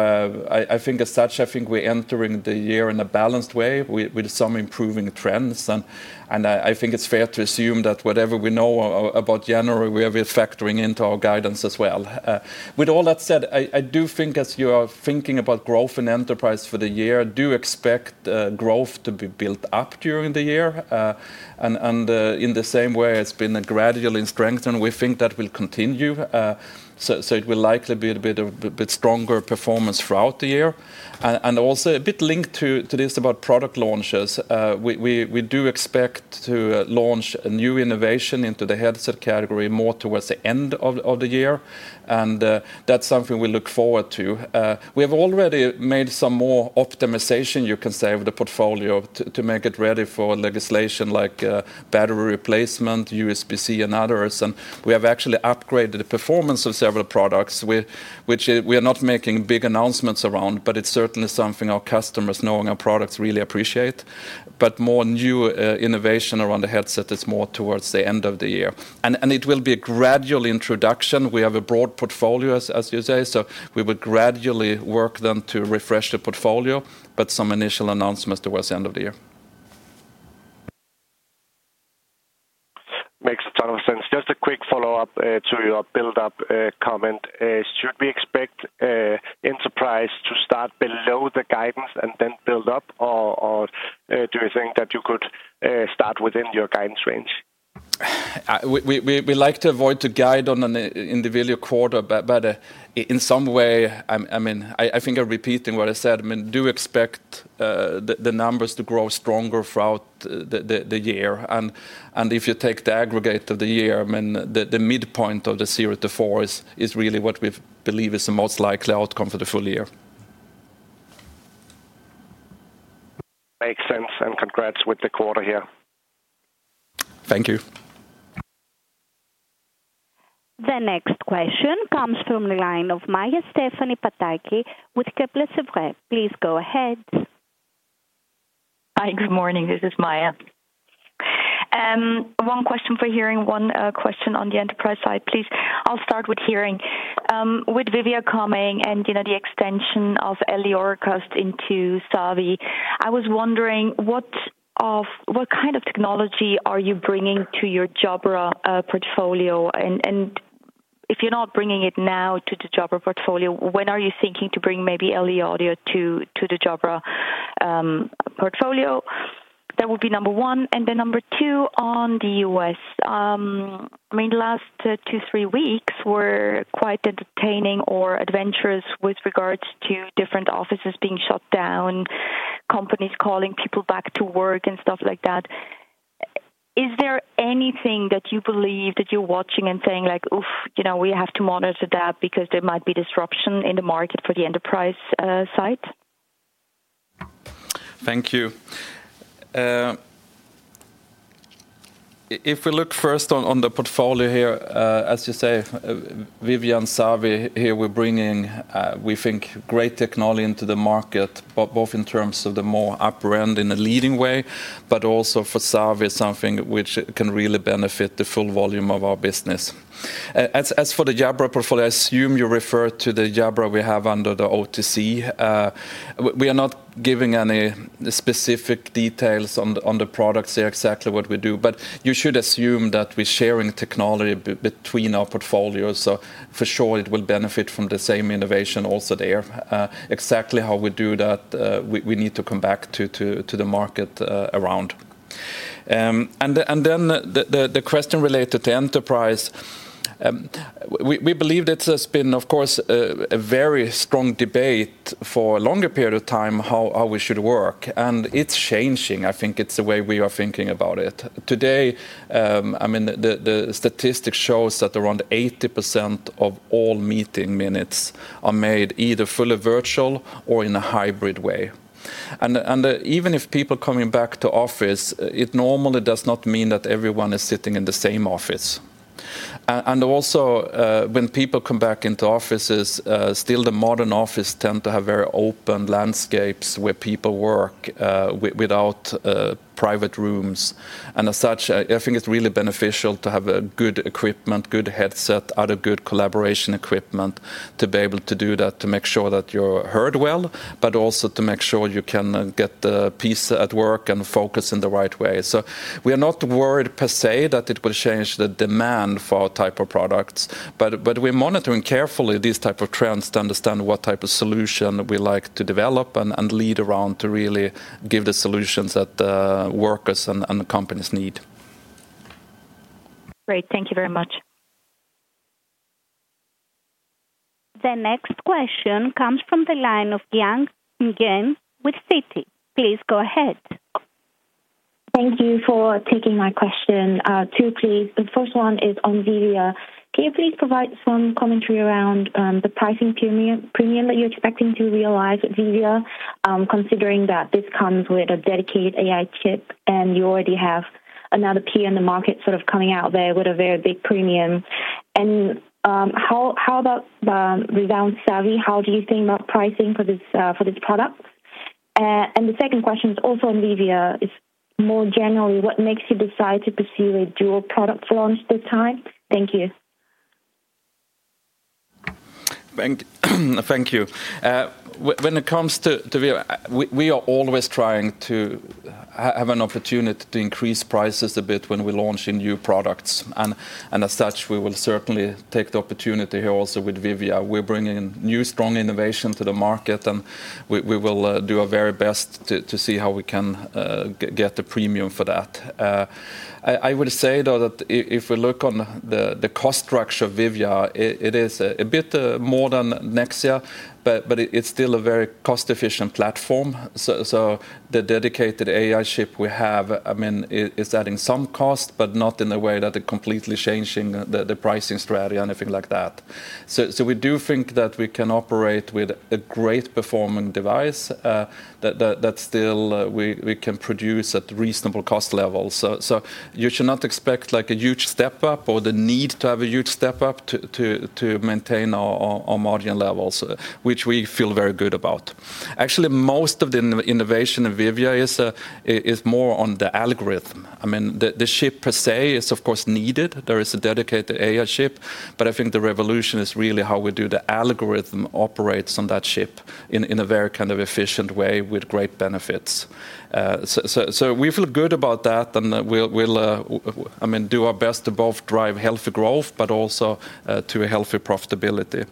I think as such, I think we're entering the year in a balanced way with some improving trends, and I think it's fair to assume that whatever we know about January, we are factoring into our guidance as well. With all that said, I do think as you are thinking about growth in Enterprise for the year, do expect growth to be built up during the year, and in the same way, it's been a gradual strengthening. We think that will continue, so it will likely be a bit stronger performance throughout the year, and also a bit linked to this about product launches, we do expect to launch a new innovation into the headset category more towards the end of the year, and that's something we look forward to. We have already made some more optimization, you can say, of the portfolio to make it ready for legislation like battery replacement, USB-C, and others, and we have actually upgraded the performance of several products, which we are not making big announcements around, but it's certainly something our customers, knowing our products, really appreciate, but more new innovation around the headset is more towards the end of the year, and it will be a gradual introduction. We have a broad portfolio, as you say, so we would gradually work then to refresh the portfolio, but some initial announcements towards the end of the year. Makes a ton of sense. Just a quick follow-up to your build-up comment. Should we expect Enterprise to start below the guidance and then build up, or do you think that you could start within your guidance range? We like to avoid to guide in the fourth quarter, but in some way, I mean, I think I'm repeating what I said. I mean, do expect the numbers to grow stronger throughout the year. And if you take the aggregate of the year, I mean, the midpoint of the 0% to 4% is really what we believe is the most likely outcome for the full year. Makes sense, and congrats with the quarter here. Thank you. The next question comes from the line of Maja Stephanie Pataki with Kepler Cheuvreux. Please go ahead. Hi, good morning. This is Maja. One question for hearing, one question on the Enterprise side, please. I'll start with hearing. With Vivia coming and the extension of LE Audio Auracast into Savi, I was wondering what kind of technology are you bringing to your Jabra portfolio? If you're not bringing it now to the Jabra portfolio, when are you thinking to bring maybe LE Audio to the Jabra portfolio? That would be number one. And then number two on the U.S. I mean, the last two, three weeks were quite entertaining or adventurous with regards to different offices being shut down, companies calling people back to work, and stuff like that. Is there anything that you believe that you're watching and saying like, "Oof, we have to monitor that because there might be disruption in the market for the Enterprise side"? Thank you. If we look first on the portfolio here, as you say, Vivia and Savi here, we're bringing, we think, great technology into the market, both in terms of the more up-brand in a leading way, but also for Savi, something which can really benefit the full volume of our business. As for the Jabra portfolio, I assume you refer to the Jabra we have under the OTC. We are not giving any specific details on the products here, exactly what we do, but you should assume that we're sharing technology between our portfolio. So for sure, it will benefit from the same innovation also there. Exactly how we do that, we need to come back to the market around, and then the question related to Enterprise, we believe that there's been, of course, a very strong debate for a longer period of time how we should work, and it's changing. I think it's the way we are thinking about it. Today, I mean, the statistics show that around 80% of all meeting minutes are made either fully virtual or in a hybrid way. And even if people are coming back to office, it normally does not mean that everyone is sitting in the same office. And also, when people come back into offices, still the modern offices tend to have very open landscapes where people work without private rooms. And as such, I think it's really beneficial to have good equipment, good headset, other good collaboration equipment to be able to do that, to make sure that you're heard well, but also to make sure you can get the peace at work and focus in the right way. So we are not worried per se that it will change the demand for our type of products, but we're monitoring carefully these types of trends to understand what type of solution we like to develop and lead around to really give the solutions that workers and companies need. Great. Thank you very much. The next question comes from the line of Giang Nguyen with Citi. Please go ahead. Thank you for taking my question. Two, please. The first one is on Vivia. Can you please provide some commentary around the pricing premium that you're expecting to realize with Vivia, considering that this comes with a dedicated AI chip and you already have another peer in the market sort of coming out there with a very big premium? And how about ReSound Savi? How do you think about pricing for this product? And the second question is also on Vivia is more generally, what makes you decide to pursue a dual product launch this time? Thank you. Thank you. When it comes to Vivia, we are always trying to have an opportunity to increase prices a bit when we launch new products. As such, we will certainly take the opportunity here also with Vivia. We're bringing new strong innovation to the market, and we will do our very best to see how we can get the premium for that. I would say, though, that if we look on the cost structure of Vivia, it is a bit more than Nexia, but it's still a very cost-efficient platform. So the dedicated AI chip we have, I mean, is adding some cost, but not in a way that it completely changes the pricing strategy or anything like that. So we do think that we can operate with a great performing device that still we can produce at reasonable cost levels. So you should not expect a huge step-up or the need to have a huge step-up to maintain our margin levels, which we feel very good about. Actually, most of the innovation in Vivia is more on the algorithm. I mean, the chip per se is, of course, needed. There is a dedicated AI chip, but I think the revolution is really how we do the algorithm operates on that chip in a very kind of efficient way with great benefits. So we feel good about that, and we'll, I mean, do our best to both drive healthy growth, but also to a healthy profitability.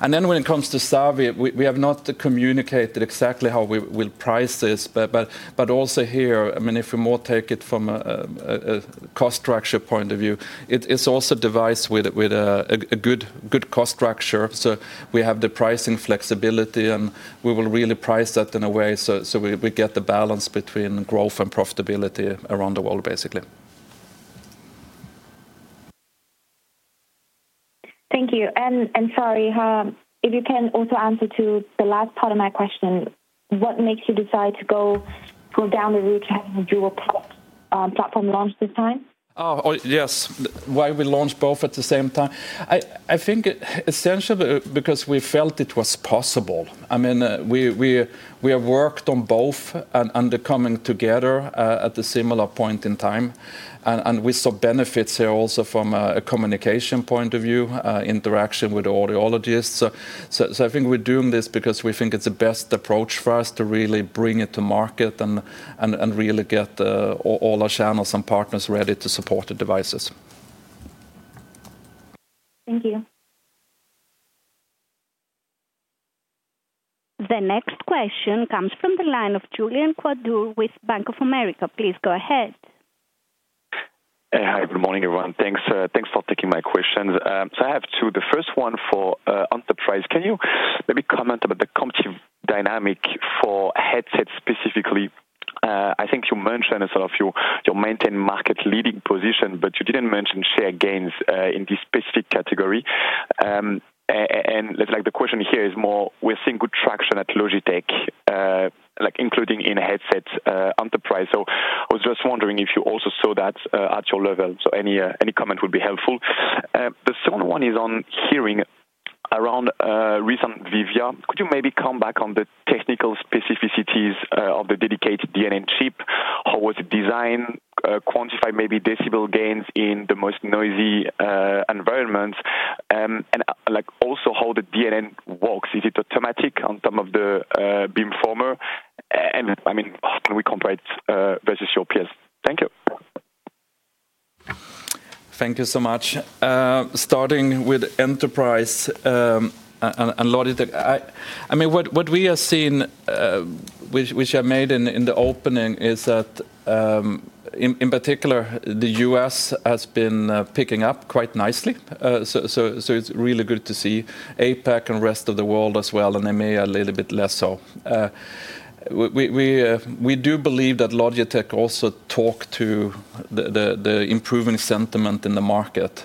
And then when it comes to Savi, we have not communicated exactly how we will price this, but also here, I mean, if we more take it from a cost structure point of view, it's also devised with a good cost structure. So we have the pricing flexibility, and we will really price that in a way so we get the balance between growth and profitability around the world, basically. Thank you. And sorry, if you can also answer to the last part of my question, what makes you decide to go down the route to have a dual platform launch this time? Oh, yes. Why we launch both at the same time? I think essentially because we felt it was possible. I mean, we have worked on both and they're coming together at a similar point in time. And we saw benefits here also from a communication point of view, interaction with audiologists. So I think we're doing this because we think it's the best approach for us to really bring it to market and really get all our channels and partners ready to support the devices. Thank you. The next question comes from the line of Julien Ouaddour with Bank of America. Please go ahead. Hi, good morning, everyone. Thanks for taking my questions. So I have two. The first one for Enterprise. Can you maybe comment about the competitive dynamic for headsets specifically? I think you mentioned sort of your maintained market leading position, but you didn't mention share gains in this specific category. And the question here is more, we're seeing good traction at Logitech, including in headsets Enterprise. So I was just wondering if you also saw that at your level. So any comment would be helpful. The second one is on hearing around recent Vivia. Could you maybe come back on the technical specificities of the dedicated DNN chip? How was it designed? Quantify maybe decibel gains in the most noisy environments. And also how the DNN works. Is it automatic on top of the beamformer? And I mean, how can we compare it versus your peers? Thank you. Thank you so much. Starting with Enterprise and Logitech, I mean, what we have seen, which I made in the opening, is that in particular, the U.S. has been picking up quite nicely. So it's really good to see APAC and rest of the world as well, and EMEA a little bit less so. We do believe that Logitech also talked to the improving sentiment in the market.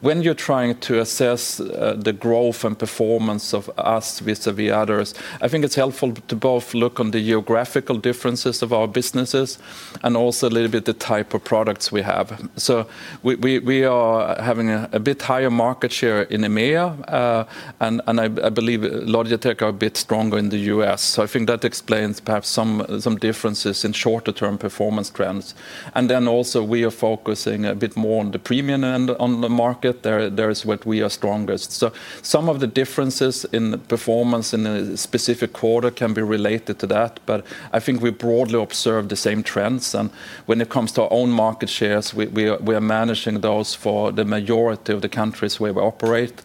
When you're trying to assess the growth and performance of us vis-à-vis others, I think it's helpful to both look on the geographical differences of our businesses and also a little bit the type of products we have. So we are having a bit higher market share in EMEA, and I believe Logitech are a bit stronger in the U.S. So I think that explains perhaps some differences in shorter-term performance trends. And then also we are focusing a bit more on the premium end of the market. That's where we are strongest. So some of the differences in performance in a specific quarter can be related to that, but I think we broadly observe the same trends. And when it comes to our own market shares, we are managing those for the majority of the countries where we operate.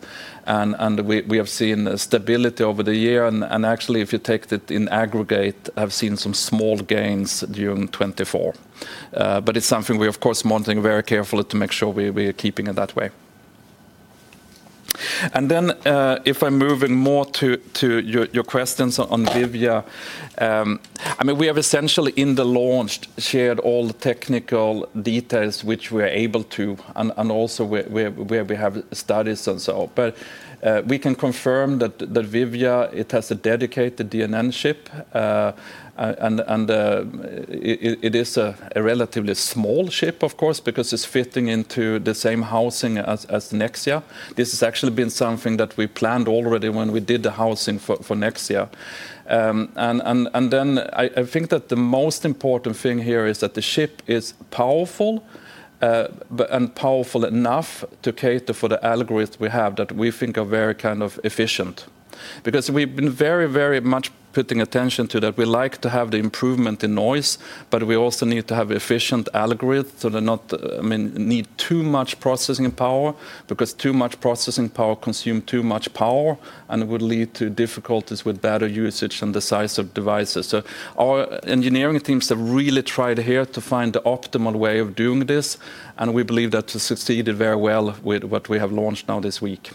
And we have seen stability over the year. And actually, if you take it in aggregate, I've seen some small gains during 2024. But it's something we, of course, are monitoring very carefully to make sure we are keeping it that way. And then if I'm moving more to your questions on Vivia, I mean, we have essentially in the launch shared all the technical details which we are able to, and also where we have studies and so on. But we can confirm that Vivia, it has a dedicated DNN chip, and it is a relatively small chip, of course, because it's fitting into the same housing as Nexia. This has actually been something that we planned already when we did the housing for Nexia. And then I think that the most important thing here is that the chip is powerful and powerful enough to cater for the algorithms we have that we think are very kind of efficient. Because we've been very, very much putting attention to that. We like to have the improvement in noise, but we also need to have efficient algorithms so they're not, I mean, need too much processing power because too much processing power consumes too much power and would lead to difficulties with better usage and the size of devices. Our engineering teams have really tried here to find the optimal way of doing this, and we believe that to succeed very well with what we have launched now this week.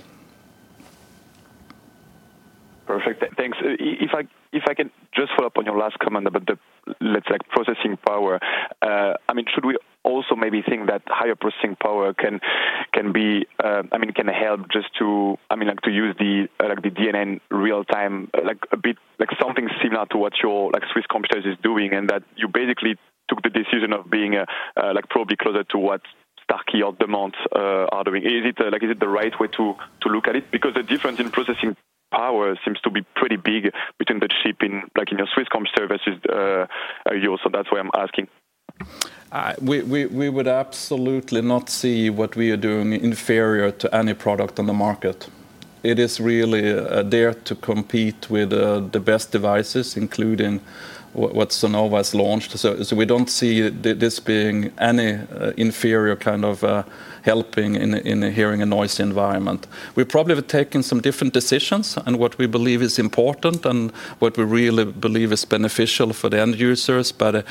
Perfect. Thanks. If I can just follow up on your last comment about the processing power, I mean, should we also maybe think that higher processing power can, I mean, can help just to, I mean, to use the DNN real-time a bit like something similar to what your Swiss competitor is doing and that you basically took the decision of being probably closer to what Starkey and Demant are doing. Is it the right way to look at it? Because the difference in processing power seems to be pretty big between the chip in your Swiss competitor versus yours. So that's why I'm asking. We would absolutely not see what we are doing inferior to any product on the market. It is really there to compete with the best devices, including what Sonova has launched, so we don't see this being any inferior kind of helping in a hearing and noisy environment. We probably have taken some different decisions and what we believe is important and what we really believe is beneficial for the end users, but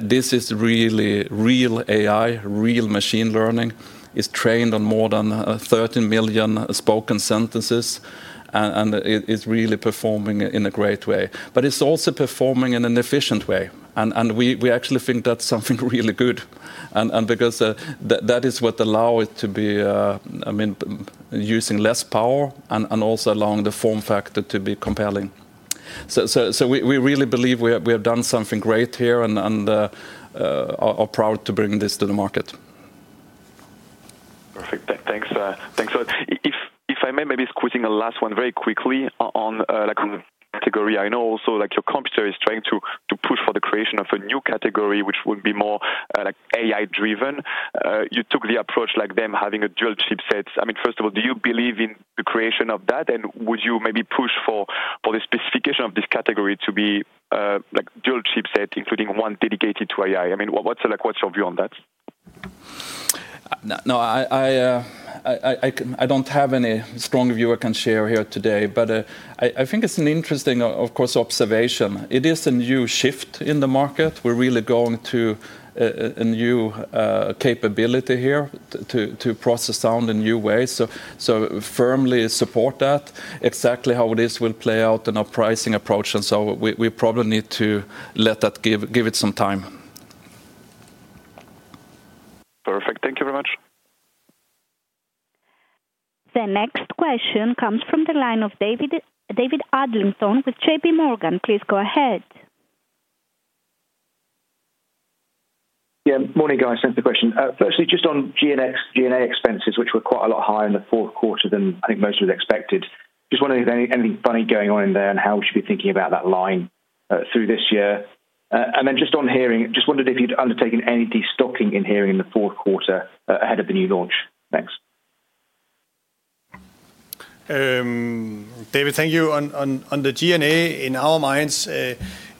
this is really real AI, real machine learning, is trained on more than 13 million spoken sentences, and it's really performing in a great way, but it's also performing in an efficient way, and we actually think that's something really good because that is what allows it to be, I mean, using less power and also allowing the form factor to be compelling. So we really believe we have done something great here and are proud to bring this to the market. Perfect. Thanks. If I may, maybe squeezing a last one very quickly on category. I know also your competitor is trying to push for the creation of a new category, which would be more AI-driven. You took the approach like them having a dual chipset. I mean, first of all, do you believe in the creation of that? And would you maybe push for the specification of this category to be dual chipset, including one dedicated to AI? I mean, what's your view on that? No, I don't have any strong view I can share here today, but I think it's an interesting, of course, observation. It is a new shift in the market. We're really going to a new capability here to process sound in new ways. So firmly support that. Exactly how it is will play out in our pricing approach. And so we probably need to let that give it some time. Perfect. Thank you very much. The next question comes from the line of David Adlington with JPMorgan. Please go ahead. Yeah. Morning, guys. Thanks for the question. Firstly, just on G&A expenses, which were quite a lot higher in the fourth quarter than I think most of us expected. Just wondering if there's anything funny going on in there and how we should be thinking about that line through this year. And then just on hearing, just wondered if you'd undertaken any destocking in hearing in the fourth quarter ahead of the new launch. Thanks. David, thank you. On the G&A, in our minds,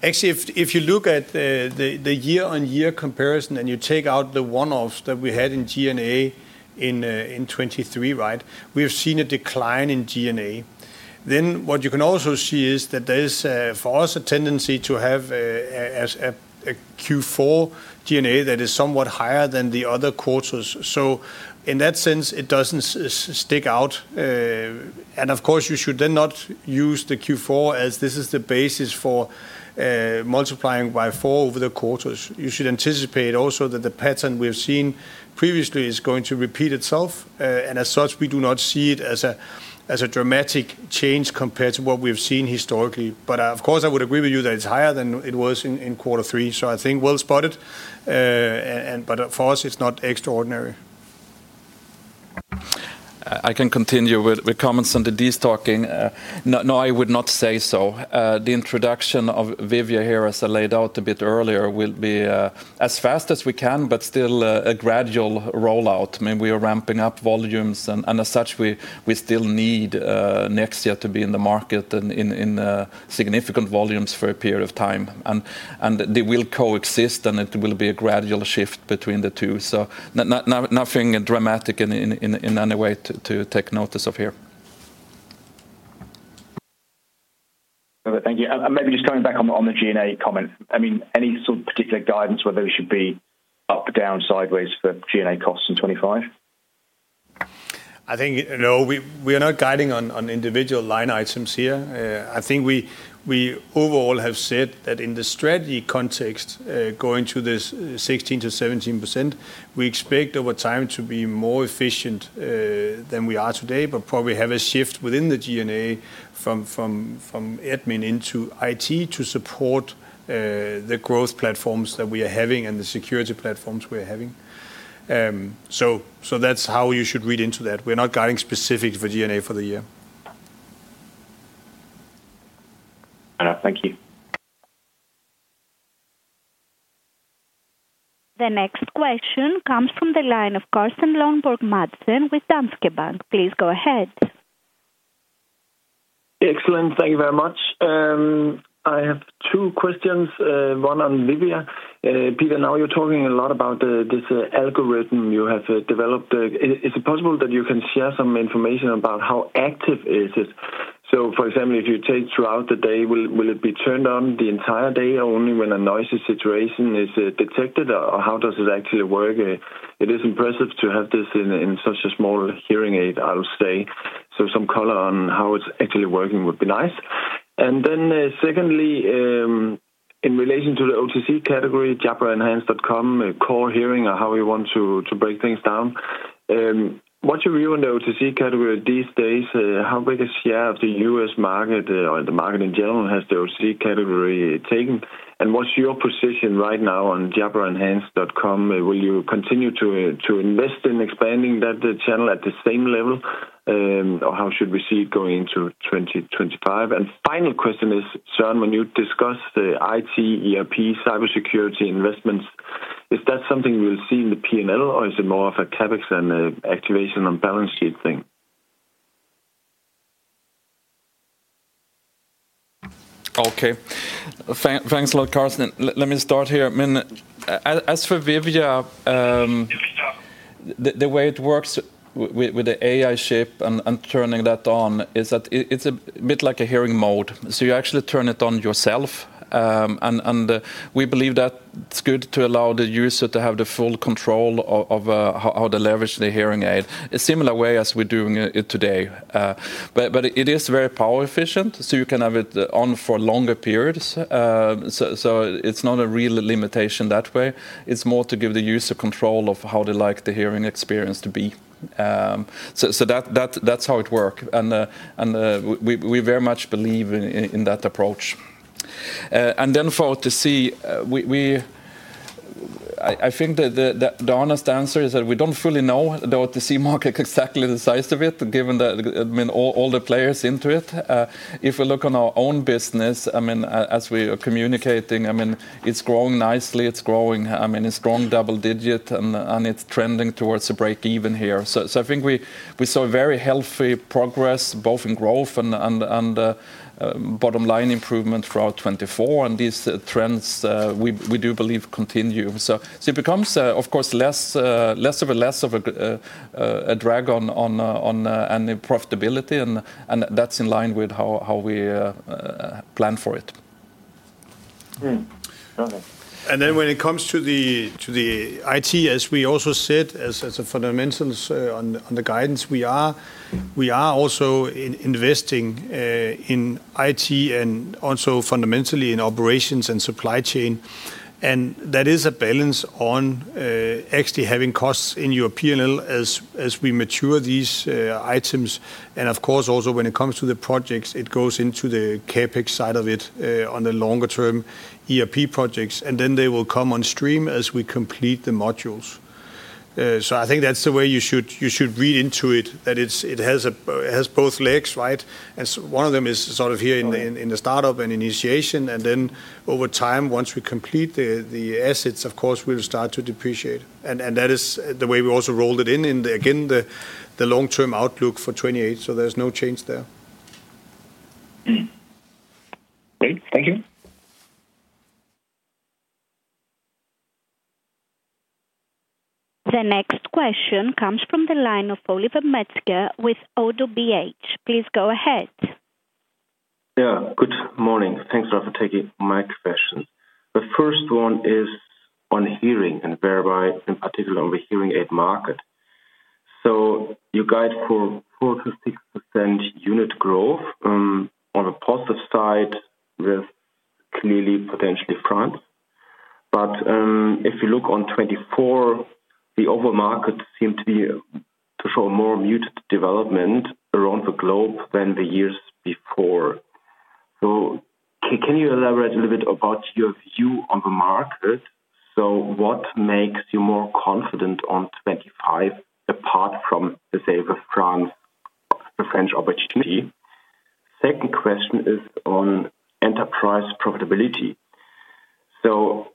actually, if you look at the year-on-year comparison and you take out the one-offs that we had in G&A in 2023, right, we have seen a decline in G&A. Then what you can also see is that there is, for us, a tendency to have a Q4 G&A that is somewhat higher than the other quarters. So in that sense, it doesn't stick out. And of course, you should then not use the Q4 as this is the basis for multiplying by four over the quarters. You should anticipate also that the pattern we have seen previously is going to repeat itself. And as such, we do not see it as a dramatic change compared to what we have seen historically. But of course, I would agree with you that it's higher than it was in quarter three. So I think well spotted. But for us, it's not extraordinary. I can continue with comments on the destocking. No, I would not say so. The introduction of Vivia here, as I laid out a bit earlier, will be as fast as we can, but still a gradual rollout. I mean, we are ramping up volumes, and as such, we still need Nexia to be in the market in significant volumes for a period of time. And they will coexist, and it will be a gradual shift between the two. So nothing dramatic in any way to take notice of here. Thank you. And maybe just coming back on the G&A comment. I mean, any sort of particular guidance whether it should be up, down, sideways for G&A costs in 2025? I think no, we are not guiding on individual line items here. I think we overall have said that in the strategy context, going to this 16% to 17%, we expect over time to be more efficient than we are today, but probably have a shift within the G&A from admin into IT to support the growth platforms that we are having and the security platforms we are having. So that's how you should read into that. We're not guiding specifically for G&A for the year. Thank you. The next question comes from the line of Carsten Lønborg Madsen with Danske Bank. Please go ahead. Excellent. Thank you very much. I have two questions. One on Vivia. Peter, now you're talking a lot about this algorithm you have developed. Is it possible that you can share some information about how active it is? So for example, if you take throughout the day, will it be turned on the entire day or only when a noisy situation is detected? Or how does it actually work? It is impressive to have this in such a small hearing aid, I'll say. So some color on how it's actually working would be nice. And then secondly, in relation to the OTC category, JabraEnhance.com, Core Hearing, or how you want to break things down. What's your view on the OTC category these days? How big a share of the U.S. market or the market in general has the OTC category taken? And what's your position right now on JabraEnhance.com? Will you continue to invest in expanding that channel at the same level, or how should we see it going into 2025? Final question is, Søren, when you discuss IT, ERP, cybersecurity investments, is that something we'll see in the P&L, or is it more of a CapEx and an activation on balance sheet thing? Okay. Thanks a lot, Carsten. Let me start here. I mean, as for Vivia, the way it works with the AI chip and turning that on is that it's a bit like a hearing mode. So you actually turn it on yourself. And we believe that it's good to allow the user to have the full control of how to leverage the hearing aid in a similar way as we're doing it today. But it is very power efficient, so you can have it on for longer periods. So it's not a real limitation that way. It's more to give the user control of how they like the hearing experience to be. So that's how it works. And we very much believe in that approach. And then for OTC, I think the honest answer is that we don't fully know the OTC market exactly the size of it, given that all the players into it. If we look on our own business, I mean, as we are communicating, I mean, it's growing nicely. It's growing, I mean, it's growing double digit, and it's trending towards a break-even here. So I think we saw very healthy progress, both in growth and bottom line improvement throughout 2024. And these trends, we do believe, continue. So it becomes, of course, less of a drag on any profitability, and that's in line with how we plan for it. And then when it comes to the IT, as we also said, as a fundamental on the guidance, we are also investing in IT and also fundamentally in operations and supply chain. And that is a balance on actually having costs in your P&L as we mature these items. And of course, also when it comes to the projects, it goes into the CapEx side of it on the longer-term ERP projects. And then they will come on stream as we complete the modules. So I think that's the way you should read into it, that it has both legs, right? And one of them is sort of here in the startup and initiation. And then over time, once we complete the assets, of course, we'll start to depreciate. And that is the way we also rolled it in, again, the long-term outlook for 2028. So there's no change there. Thank you. The next question comes from the line of Oliver Metzger with ODDO BHF. Please go ahead. Yeah. Good morning. Thanks a lot for taking my questions. The first one is on hearing and thereby, in particular, on the hearing aid market. So you guide for 4% to 6% unit growth on the positive side with clearly potentially France. But if you look in 2024, the overall market seemed to show more muted development around the globe than the years before. So can you elaborate a little bit about your view on the market? So what makes you more confident in 2025 apart from, say, the French opportunity? Second question is on enterprise profitability. So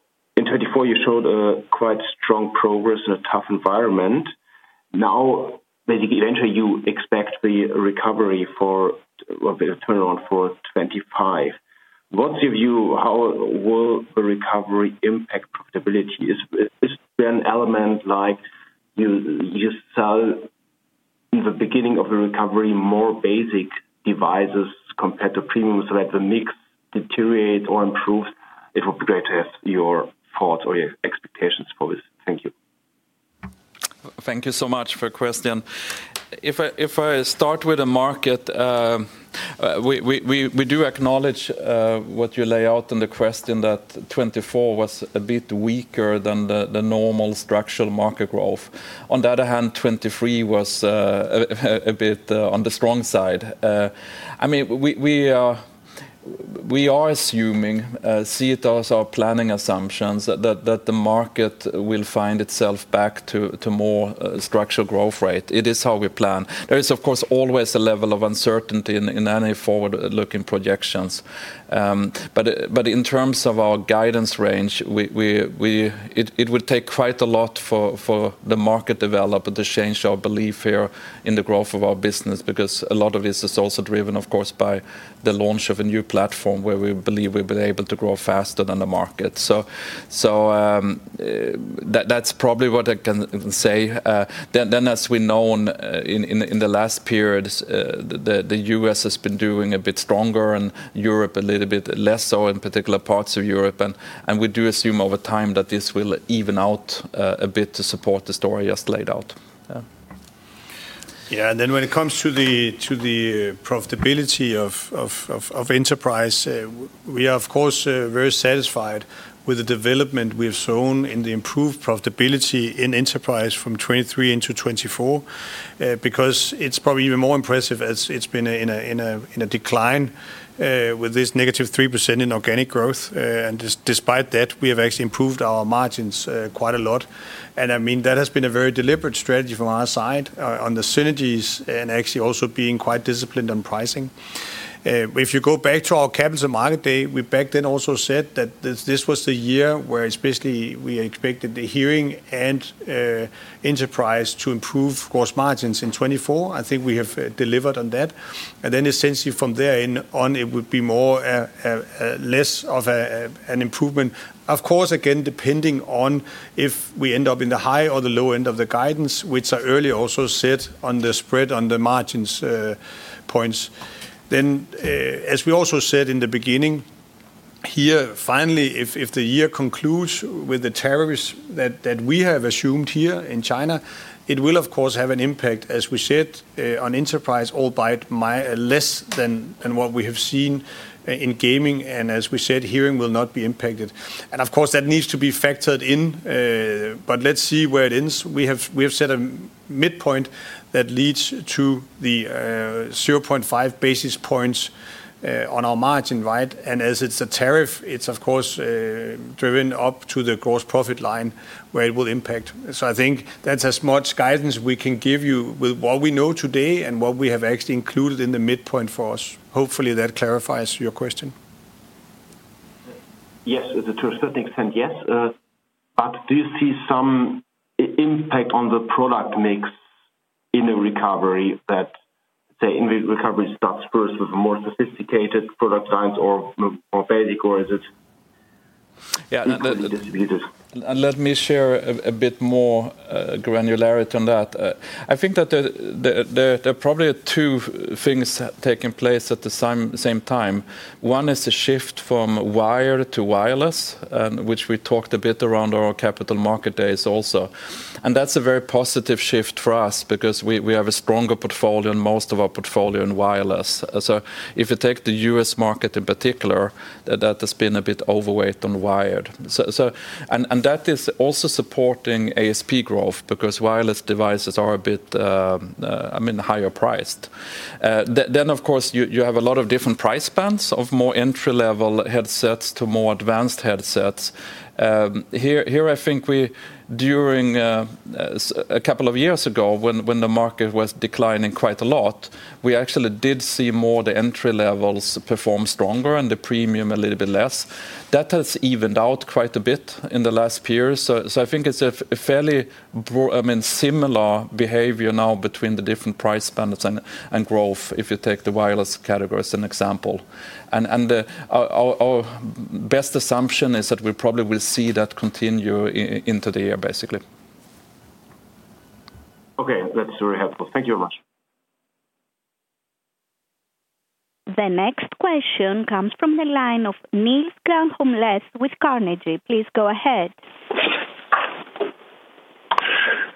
in 2024, you showed quite strong progress in a tough environment. Now, basically, eventually, you expect the recovery for turnaround for 2025. What's your view? How will the recovery impact profitability? Is there an element like you sell in the beginning of the recovery more basic devices compared to premiums so that the mix deteriorates or improves? It would be great to have your thoughts or your expectations for this. Thank you. Thank you so much for the question. If I start with the market, we do acknowledge what you lay out in the question that 2024 was a bit weaker than the normal structural market growth. On the other hand, 2023 was a bit on the strong side. I mean, we are assuming, see it as our planning assumptions, that the market will find itself back to more structural growth rate. It is how we plan. There is, of course, always a level of uncertainty in any forward-looking projections. But in terms of our guidance range, it would take quite a lot for the market to deviate to change our belief here in the growth of our business because a lot of this is also driven, of course, by the launch of a new platform where we believe we've been able to grow faster than the market, so that's probably what I can say. Then, as we know, in the last period, the U.S. has been doing a bit stronger and Europe a little bit less so, in particular parts of Europe, and we do assume over time that this will even out a bit to support the story just laid out. Yeah. Yeah.And then when it comes to the profitability of enterprise, we are, of course, very satisfied with the development we've shown in the improved profitability in enterprise from 2023 into 2024 because it's probably even more impressive as it's been in a decline with this -3% in organic growth. And despite that, we have actually improved our margins quite a lot. And I mean, that has been a very deliberate strategy from our side on the synergies and actually also being quite disciplined on pricing. If you go back to our Capital Market Day, we back then also said that this was the year where especially we expected the hearing and enterprise to improve gross margins in 2024. I think we have delivered on that. And then essentially from there on, it would be more or less of an improvement. Of course, again, depending on if we end up in the high or the low end of the guidance, which I earlier also said on the spread on the margins points. Then, as we also said in the beginning here, finally, if the year concludes with the tariffs that we have assumed here in China, it will, of course, have an impact, as we said, on Enterprise albeit less than what we have seen in gaming. And as we said, hearing will not be impacted. And of course, that needs to be factored in. But let's see where it ends. We have set a midpoint that leads to the 0.5 basis points on our margin, right? And as it's a tariff, it's, of course, driven up to the gross profit line where it will impact. So, I think that's as much guidance we can give you with what we know today and what we have actually included in the midpoint for us. Hopefully, that clarifies your question. Yes, to a certain extent, yes. But do you see some impact on the product mix in the recovery that, say, in the recovery starts first with a more sophisticated product lines or more basic, or is it? Yeah. And let me share a bit more granularity on that. I think that there are probably two things taking place at the same time. One is the shift from wire to wireless, which we talked a bit around our Capital Markets Day also. And that's a very positive shift for us because we have a stronger portfolio and most of our portfolio in wireless. So if you take the U.S. market in particular, that has been a bit overweight on wired. And that is also supporting ASP growth because wireless devices are a bit, I mean, higher priced. Then, of course, you have a lot of different price bands of more entry-level headsets to more advanced headsets. Here, I think during a couple of years ago, when the market was declining quite a lot, we actually did see more of the entry levels perform stronger and the premium a little bit less. That has evened out quite a bit in the last few years. So I think it's a fairly, I mean, similar behavior now between the different price bands and growth if you take the wireless category as an example. And our best assumption is that we probably will see that continue into the year, basically. Okay. That's very helpful. Thank you very much. The next question comes from the line of Niels Granholm-Leth with Carnegie. Please go ahead.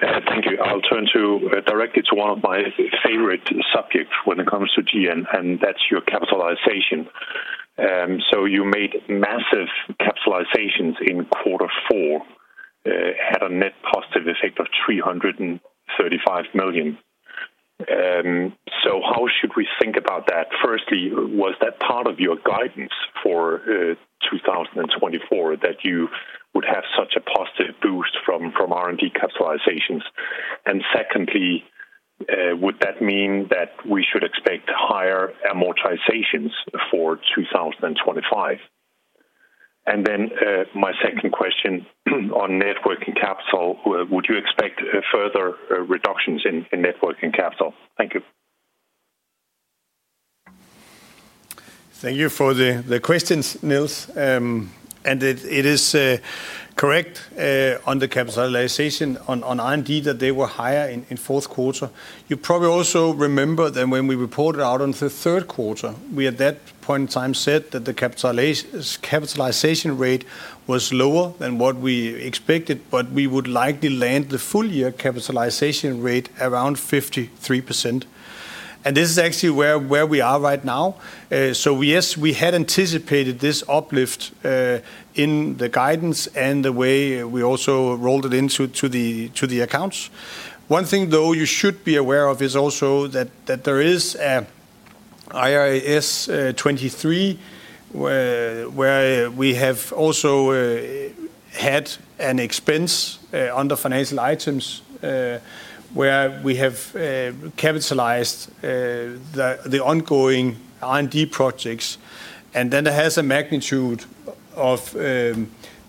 Thank you. I'll turn directly to one of my favorite subjects when it comes to GN, and that's your capitalization. So you made massive capitalizations in quarter four, had a net positive effect of 335 million. So how should we think about that? Firstly, was that part of your guidance for 2024 that you would have such a positive boost from R&D capitalizations? And secondly, would that mean that we should expect higher amortizations for 2025? And then my second question on working capital, would you expect further reductions in working capital? Thank you. Thank you for the questions, Niels. And it is correct on the capitalization on R&D that they were higher in fourth quarter. You probably also remember that when we reported out on the third quarter, we at that point in time said that the capitalization rate was lower than what we expected, but we would likely land the full year capitalization rate around 53%. And this is actually where we are right now. So yes, we had anticipated this uplift in the guidance and the way we also rolled it into the accounts. One thing, though, you should be aware of is also that there is IFRS 2023 where we have also had an expense under financial items where we have capitalized the ongoing R&D projects. And then it has a magnitude of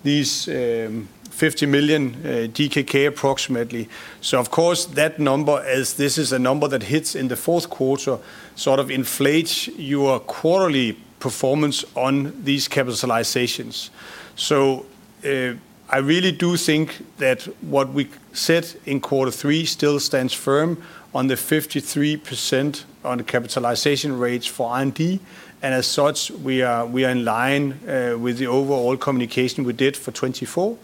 these 50 million DKK approximately. So of course, that number, as this is a number that hits in the fourth quarter, sort of inflates your quarterly performance on these capitalizations. I really do think that what we said in quarter three still stands firm on the 53% on capitalization rates for R&D. And as such, we are in line with the overall communication we did for 2024.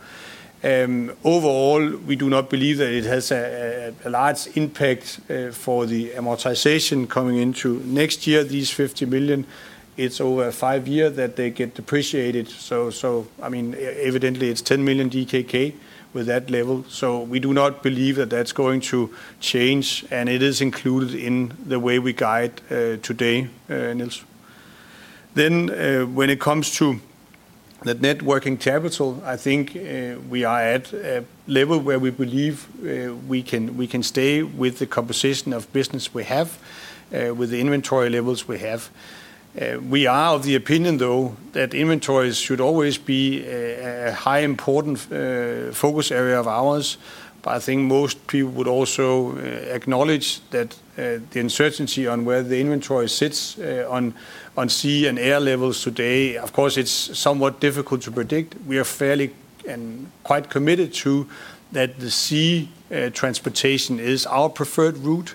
Overall, we do not believe that it has a large impact for the amortization coming into next year, these 50 million. It's over a five-year that they get depreciated. So I mean, evidently, it's 10 million DKK with that level. We do not believe that that's going to change, and it is included in the way we guide today, Niels. Then when it comes to the net working capital, I think we are at a level where we believe we can stay with the composition of business we have with the inventory levels we have. We are of the opinion, though, that inventories should always be a highly important focus area of ours. But I think most people would also acknowledge that the uncertainty on where the inventory sits on sea and air levels today, of course, it's somewhat difficult to predict. We are fairly and quite committed to that the sea transportation is our preferred route.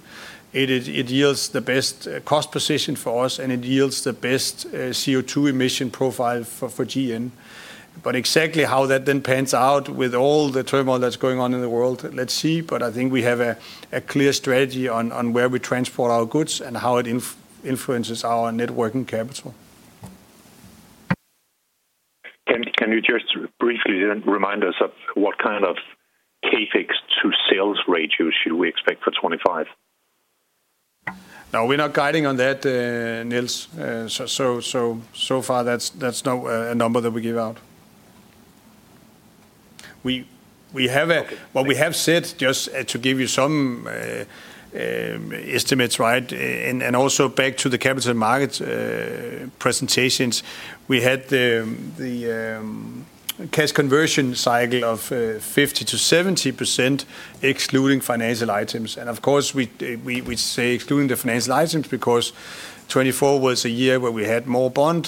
It yields the best cost position for us, and it yields the best CO2 emission profile for GN. But exactly how that then pans out with all the turmoil that's going on in the world, let's see. But I think we have a clear strategy on where we transport our goods and how it influences our net working capital. Can you just briefly remind us of what kind of CapEx to sales ratio should we expect for 2025? No, we're not guiding on that, Niels. So far, that's not a number that we give out. What we have said, just to give you some estimates, right, and also back to the Capital Markets presentations, we had the cash conversion cycle of 50% to 70% excluding financial items. And of course, we say excluding the financial items because 2024 was a year where we had more bond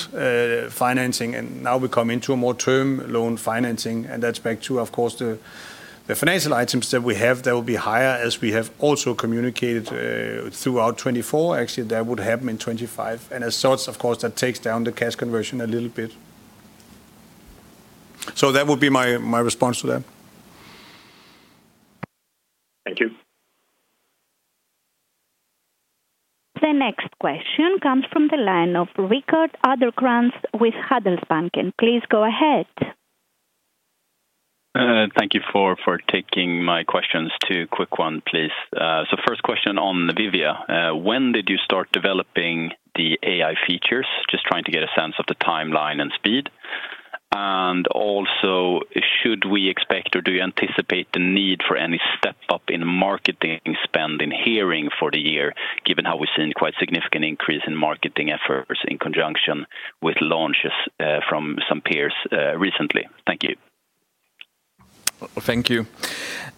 financing, and now we come into a more term loan financing. And that's back to, of course, the financial items that we have that will be higher as we have also communicated throughout 2024. Actually, that would happen in 2025. And as such, of course, that takes down the cash conversion a little bit. So that would be my response to that. Thank you. The next question comes from the line of Rickard Anderkrans with Handelsbanken. Please go ahead. Thank you for taking my questions. Two quick ones, please. So, first question on Vivia. When did you start developing the AI features? Just trying to get a sense of the timeline and speed. And also, should we expect or do you anticipate the need for any step-up in marketing spend in hearing for the year, given how we've seen quite significant increase in marketing efforts in conjunction with launches from some peers recently? Thank you. Thank you.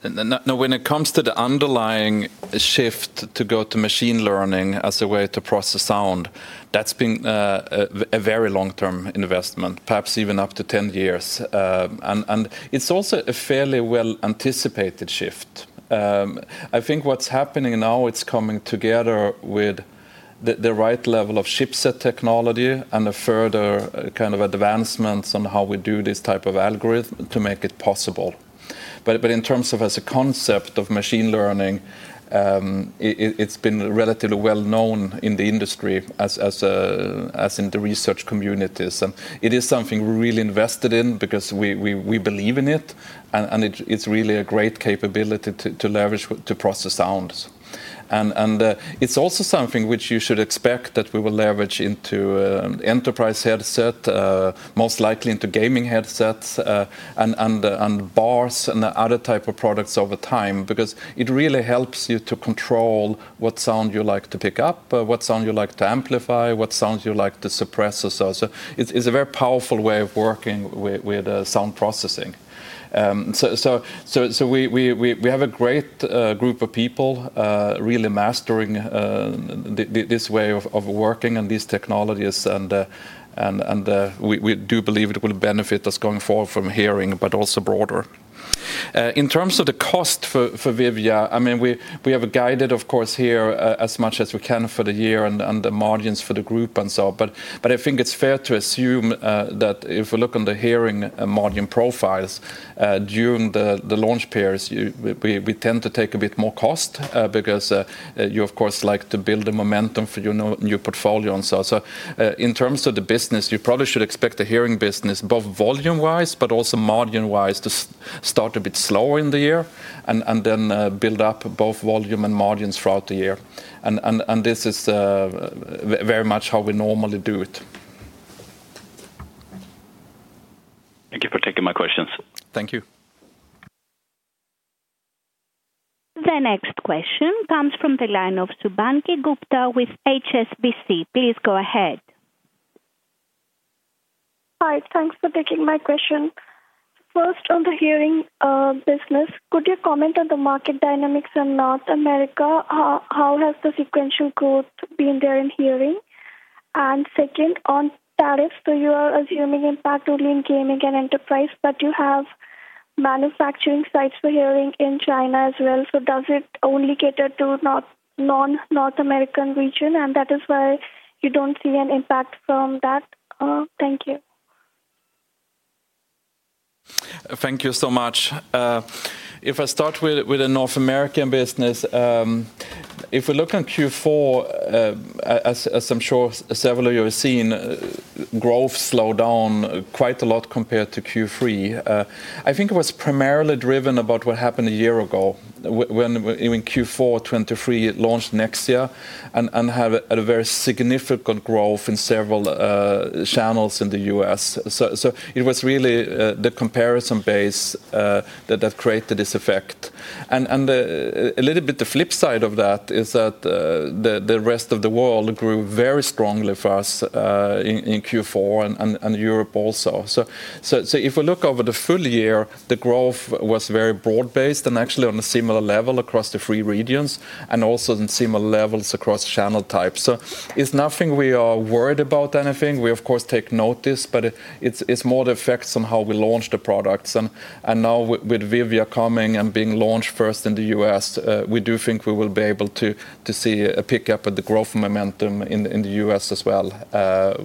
Now, when it comes to the underlying shift to go to machine learning as a way to process sound, that's been a very long-term investment, perhaps even up to 10 years. And it's also a fairly well-anticipated shift. I think what's happening now, it's coming together with the right level of chipset technology and a further kind of advancements on how we do this type of algorithm to make it possible. But in terms of as a concept of machine learning, it's been relatively well-known in the industry as in the research communities. And it is something we're really invested in because we believe in it. And it's really a great capability to leverage to process sounds. And it's also something which you should expect that we will leverage into enterprise headset, most likely into gaming headsets and bars and other types of products over time because it really helps you to control what sound you like to pick up, what sound you like to amplify, what sounds you like to suppress. So it's a very powerful way of working with sound processing. So we have a great group of people really mastering this way of working and these technologies. And we do believe it will benefit us going forward from hearing, but also broader. In terms of the cost for Vivia, I mean, we have guided, of course, here as much as we can for the year and the margins for the group and so on. But I think it's fair to assume that if we look on the hearing margin profiles during the launch pairs, we tend to take a bit more cost because you, of course, like to build the momentum for your new portfolio and so on. So in terms of the business, you probably should expect the hearing business both volume-wise, but also margin-wise to start a bit slower in the year and then build up both volume and margins throughout the year. And this is very much how we normally do it. Thank you for taking my questions. Thank you. The next question comes from the line of Shubhangi Gupta with HSBC. Please go ahead. Hi.Thanks for taking my question. First, on the hearing business, could you comment on the market dynamics in North America? How has the sequential growth been there in hearing? And second, on tariffs, so you are assuming impact only in gaming and enterprise, but you have manufacturing sites for hearing in China as well. So does it only cater to non-North American region? And that is why you don't see an impact from that. Thank you. Thank you so much. If I start with the North American business, if we look at Q4, as I'm sure several of you have seen, growth slowed down quite a lot compared to Q3. I think it was primarily driven by what happened a year ago when in Q4 2023 we launched Nexia and had a very significant growth in several channels in the U.S.. So it was really the comparison base that created this effect. And a little bit the flip side of that is that the rest of the world grew very strongly for us in Q4 and Europe also. So if we look over the full year, the growth was very broad-based and actually on a similar level across the three regions and also on similar levels across channel types. So it's nothing we are worried about anything. We, of course, take note of this, but it's more the effects on how we launch the products. And now with Vivia coming and being launched first in the US, we do think we will be able to see a pickup of the growth momentum in the U.S. as well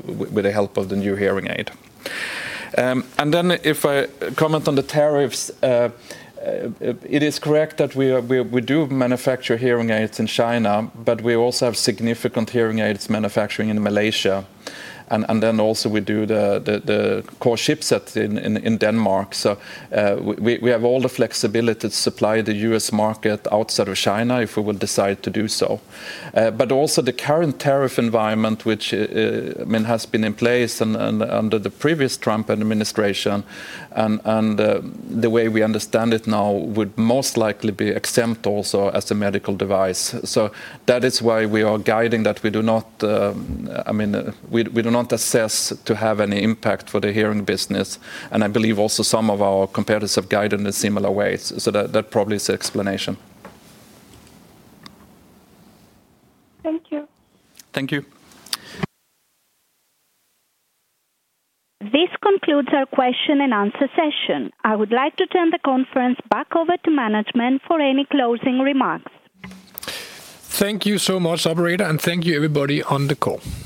with the help of the new hearing aid. And then if I comment on the tariffs, it is correct that we do manufacture hearing aids in China, but we also have significant hearing aids manufacturing in Malaysia. And then also we do the core chipsets in Denmark. So we have all the flexibility to supply the U.S. market outside of China if we would decide to do so. But also the current tariff environment, which has been in place under the previous Trump administration and the way we understand it now would most likely be exempt also as a medical device. So that is why we are guiding that we do not, I mean, we do not assess to have any impact for the hearing business. And I believe also some of our competitors have guided in a similar way. So that probably is the explanation. Thank you. Thank you. This concludes our question and answer session. I would like to turn the conference back over to management for any closing remarks. Thank you so much, operator, and thank you everybody on the call.